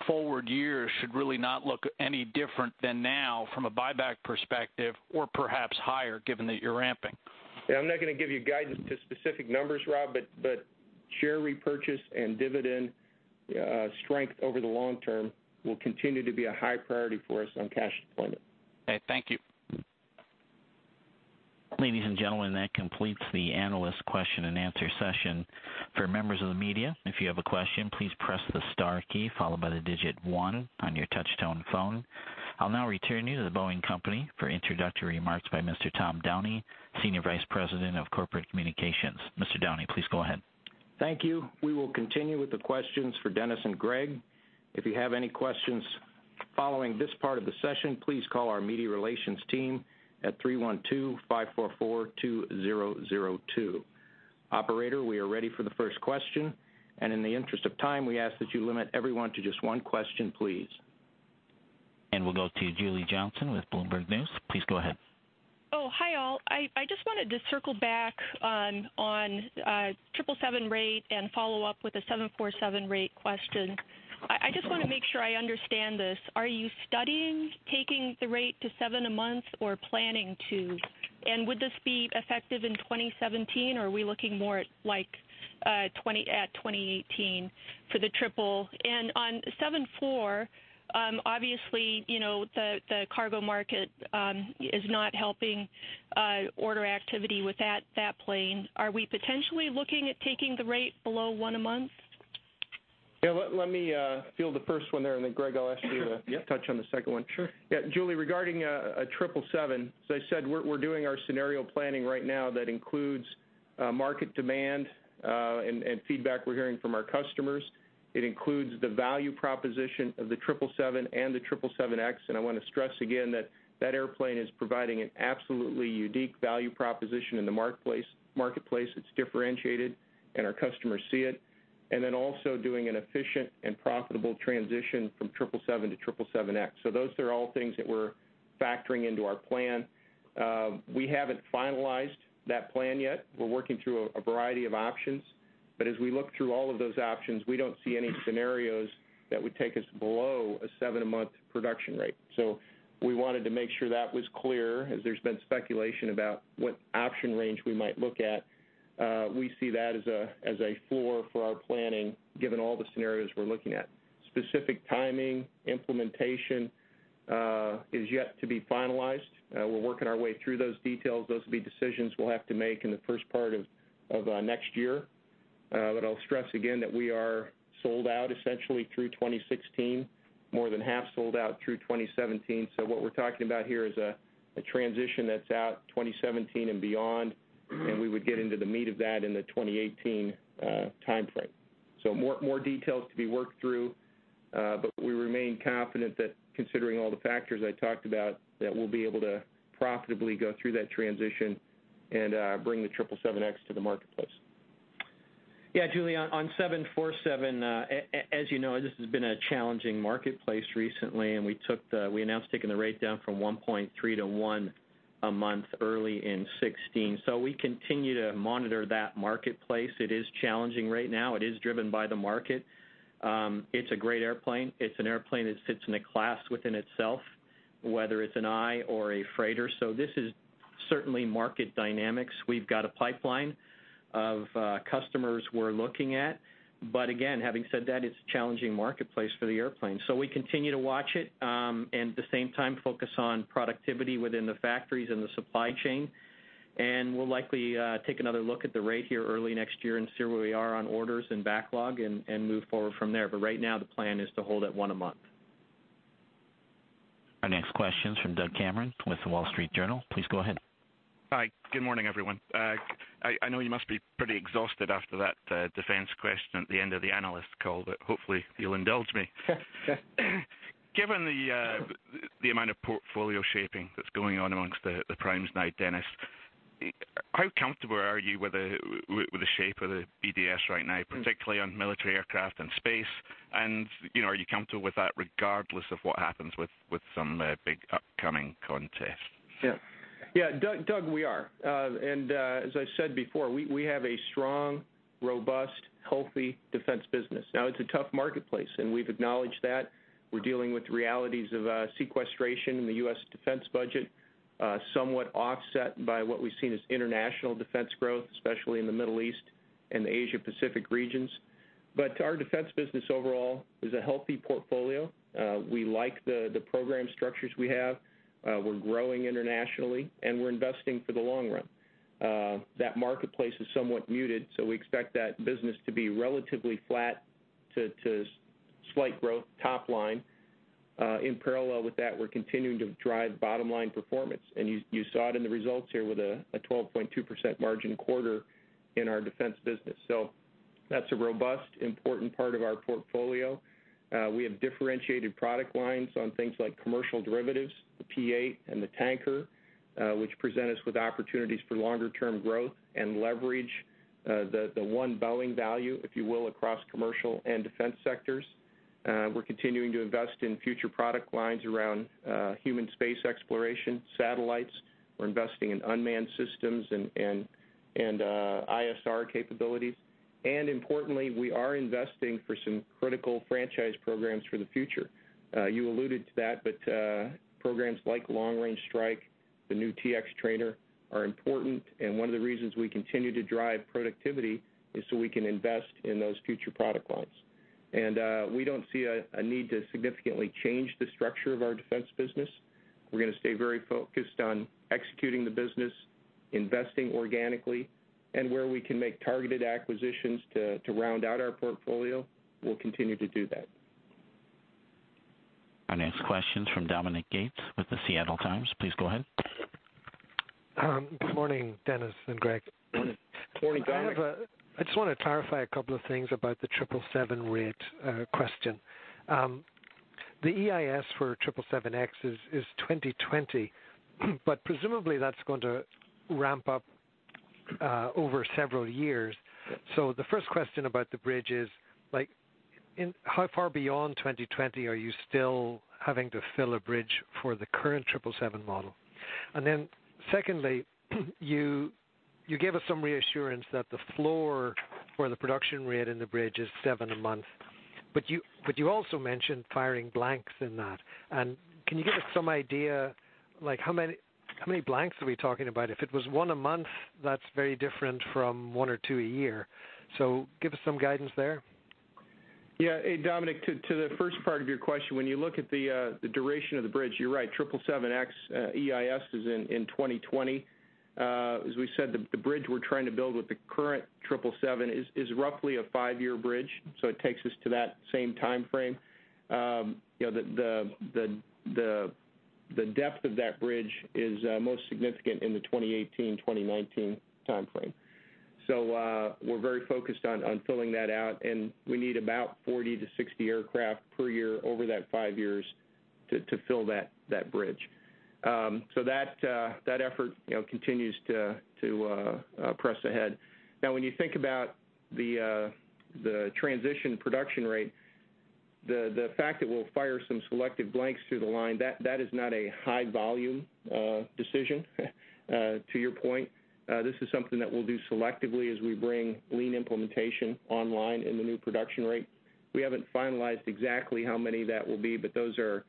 forward years should really not look any different than now from a buyback perspective or perhaps higher, given that you're ramping. Yeah, I'm not going to give you guidance to specific numbers, Rob, but share repurchase and dividend strength over the long term will continue to be a high priority for us on cash deployment. Okay. Thank you. Ladies and gentlemen, that completes the analyst question-and-answer session. For members of the media, if you have a question, please press the star key followed by the digit one on your touch-tone phone. I'll now return you to The Boeing Company for introductory remarks by Mr. Tom Downey, Senior Vice President of Corporate Communications. Mr. Downey, please go ahead. Thank you. We will continue with the questions for Dennis and Greg. If you have any questions following this part of the session, please call our media relations team at 312-544-2002. Operator, we are ready for the first question. In the interest of time, we ask that you limit everyone to just one question, please. We'll go to Julie Johnsson with Bloomberg News. Please go ahead. I just wanted to circle back on 777 rate and follow up with a 747 rate question. I just want to make sure I understand this. Are you studying taking the rate to seven a month or planning to? Would this be effective in 2017 or are we looking more at 2018 for the triple? On 74, obviously, the cargo market is not helping order activity with that plane. Are we potentially looking at taking the rate below one a month? Yeah. Let me field the first one there, and then Greg, I'll ask you to- Yep Touch on the second one. Sure. Yeah, Julie, regarding a 777, as I said, we're doing our scenario planning right now that includes market demand, and feedback we're hearing from our customers. It includes the value proposition of the 777 and the 777X, and I want to stress again that that airplane is providing an absolutely unique value proposition in the marketplace. It's differentiated, and our customers see it. Also doing an efficient and profitable transition from 777 to 777X. Those are all things that we're factoring into our plan. We haven't finalized that plan yet. We're working through a variety of options. As we look through all of those options, we don't see any scenarios that would take us below a seven-a-month production rate. We wanted to make sure that was clear, as there's been speculation about what option range we might look at. We see that as a floor for our planning, given all the scenarios we're looking at. Specific timing, implementation, is yet to be finalized. We're working our way through those details. Those will be decisions we'll have to make in the first part of next year. I'll stress again that we are sold out essentially through 2016, more than half sold out through 2017. What we're talking about here is a transition that's out 2017 and beyond, and we would get into the meat of that in the 2018 timeframe. More details to be worked through, but we remain confident that considering all the factors I talked about, that we'll be able to profitably go through that transition and bring the 777X to the marketplace. Yeah, Julie, on 747, as you know, this has been a challenging marketplace recently, and we announced taking the rate down from 1.3 to one-a-month early in 2016. We continue to monitor that marketplace. It is challenging right now. It is driven by the market. It's a great airplane. It's an airplane that sits in a class within itself, whether it's an I or a freighter. This is certainly market dynamics. We've got a pipeline of customers we're looking at, again, having said that, it's a challenging marketplace for the airplane. We continue to watch it, and at the same time, focus on productivity within the factories and the supply chain, and we'll likely take another look at the rate here early next year and see where we are on orders and backlog and move forward from there. Right now, the plan is to hold at one a month. Our next question is from Doug Cameron with The Wall Street Journal. Please go ahead. Hi. Good morning, everyone. I know you must be pretty exhausted after that, defense question at the end of the analyst call, hopefully you'll indulge me. Given the amount of portfolio shaping that's going on amongst the primes now, Dennis, how comfortable are you with the shape of the BDS right now, particularly on military aircraft and space? Are you comfortable with that regardless of what happens with some big upcoming contests? Yeah, Doug, we are. As I said before, we have a strong, robust, healthy defense business. Now, it's a tough marketplace, and we've acknowledged that. We're dealing with realities of sequestration in the U.S. defense budget, somewhat offset by what we've seen as international defense growth, especially in the Middle East and the Asia-Pacific regions. Our defense business overall is a healthy portfolio. We like the program structures we have. We're growing internationally, and we're investing for the long run. That marketplace is somewhat muted, so we expect that business to be relatively flat to slight growth top line. In parallel with that, we're continuing to drive bottom-line performance. You saw it in the results here with a 12.2% margin quarter in our defense business. That's a robust, important part of our portfolio. We have differentiated product lines on things like commercial derivatives, the P-8, and the tanker, which present us with opportunities for longer-term growth and leverage the One Boeing value, if you will, across commercial and defense sectors. We're continuing to invest in future product lines around human space exploration, satellites. We're investing in unmanned systems and ISR capabilities. Importantly, we are investing for some critical franchise programs for the future. You alluded to that, but programs like Long Range Strike, the new T-X trainer, are important, and one of the reasons we continue to drive productivity is so we can invest in those future product lines. We don't see a need to significantly change the structure of our defense business. We're going to stay very focused on executing the business, investing organically, and where we can make targeted acquisitions to round out our portfolio, we'll continue to do that. Our next question's from Dominic Gates with The Seattle Times. Please go ahead. Good morning, Dennis and Greg. Morning. Morning, Dominic. I just want to clarify a couple of things about the 777 rate question. The EIS for 777X is 2020, but presumably that's going to ramp up Over several years. The first question about the bridge is, how far beyond 2020 are you still having to fill a bridge for the current 777 model? Secondly, you gave us some reassurance that the floor for the production rate in the bridge is seven a month. You also mentioned firing blanks in that. Can you give us some idea, how many blanks are we talking about? If it was one a month, that's very different from one or two a year. Give us some guidance there. Yeah. Hey, Dominic, to the first part of your question, when you look at the duration of the bridge, you're right, 777X EIS is in 2020. As we said, the bridge we're trying to build with the current 777 is roughly a five-year bridge, so it takes us to that same timeframe. The depth of that bridge is most significant in the 2018, 2019 timeframe. We're very focused on filling that out, and we need about 40 to 60 aircraft per year over that five years to fill that bridge. That effort continues to press ahead. Now, when you think about the transition production rate, the fact that we'll fire some selective blanks through the line, that is not a high volume decision, to your point. This is something that we'll do selectively as we bring lean implementation online in the new production rate. We haven't finalized exactly how many that will be, but those are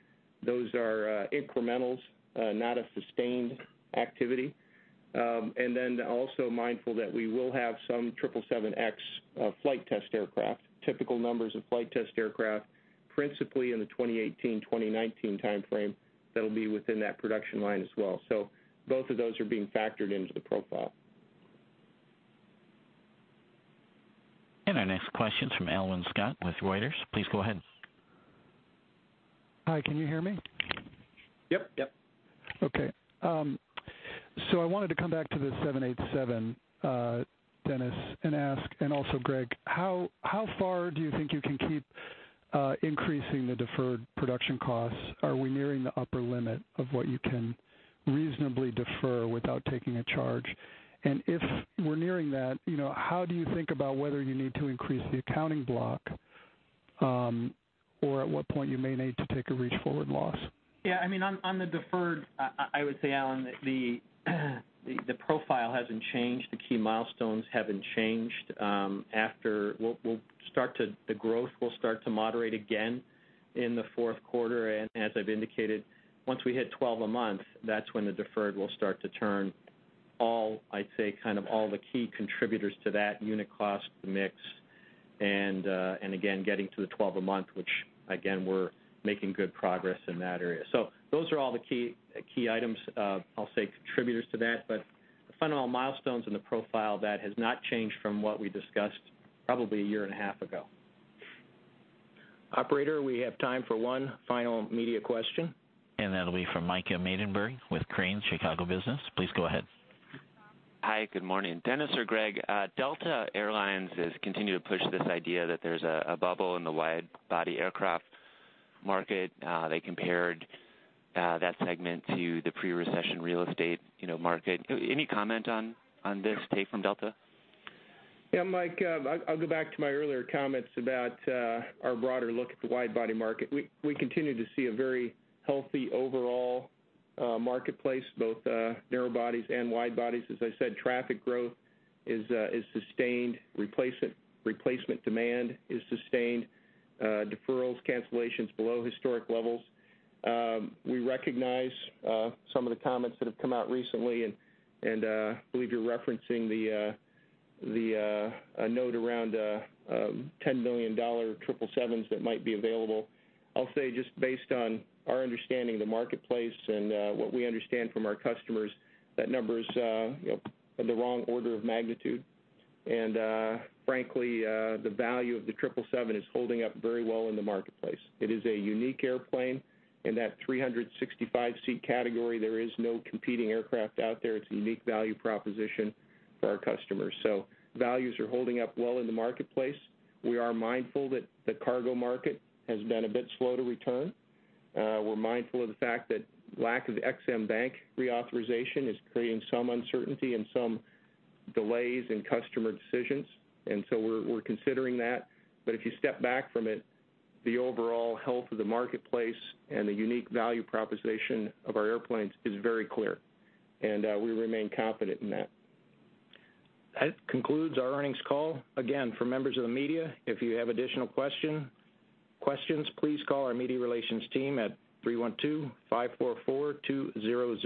incrementals, not a sustained activity. Also mindful that we will have some 777X flight test aircraft, typical numbers of flight test aircraft, principally in the 2018, 2019 timeframe that'll be within that production line as well. Both of those are being factored into the profile. Our next question's from Alwyn Scott with Reuters. Please go ahead. Hi, can you hear me? Yep. Yep. Okay. I wanted to come back to the 787, Dennis, and ask, and also Greg, how far do you think you can keep increasing the deferred production costs? Are we nearing the upper limit of what you can reasonably defer without taking a charge? And if we're nearing that, how do you think about whether you need to increase the accounting block, or at what point you may need to take a reach-forward loss? Yeah, on the deferred, I would say, Alwyn, that the profile hasn't changed, the key milestones haven't changed. The growth will start to moderate again in the fourth quarter. As I've indicated, once we hit 12 a month, that's when the deferred will start to turn all the key contributors to that unit cost mix, and again, getting to the 12 a month, which again, we're making good progress in that area. Those are all the key items, I'll say, contributors to that, but the fundamental milestones in the profile, that has not changed from what we discussed probably a year and a half ago. Operator, we have time for one final media question. That'll be from Micah Maidenberg with Crain's Chicago Business. Please go ahead. Hi, good morning. Dennis or Greg, Delta Air Lines has continued to push this idea that there's a bubble in the wide-body aircraft market. They compared that segment to the pre-recession real estate market. Any comment on this take from Delta? Mike, I'll go back to my earlier comments about our broader look at the wide-body market. We continue to see a very healthy overall marketplace, both narrow-bodies and wide-bodies. As I said, traffic growth is sustained, replacement demand is sustained, deferrals, cancellations, below historic levels. We recognize some of the comments that have come out recently and believe you're referencing a note around $10 million 777s that might be available. I'll say just based on our understanding of the marketplace and what we understand from our customers, that number's the wrong order of magnitude, and frankly, the value of the 777 is holding up very well in the marketplace. It is a unique airplane. In that 365-seat category, there is no competing aircraft out there. It's a unique value proposition for our customers. Values are holding up well in the marketplace. We are mindful that the cargo market has been a bit slow to return. We're mindful of the fact that lack of Ex-Im Bank reauthorization is creating some uncertainty and some delays in customer decisions, we're considering that. If you step back from it, the overall health of the marketplace and the unique value proposition of our airplanes is very clear, and we remain confident in that. That concludes our earnings call. Again, for members of the media, if you have additional questions, please call our media relations team at 312-544-2002.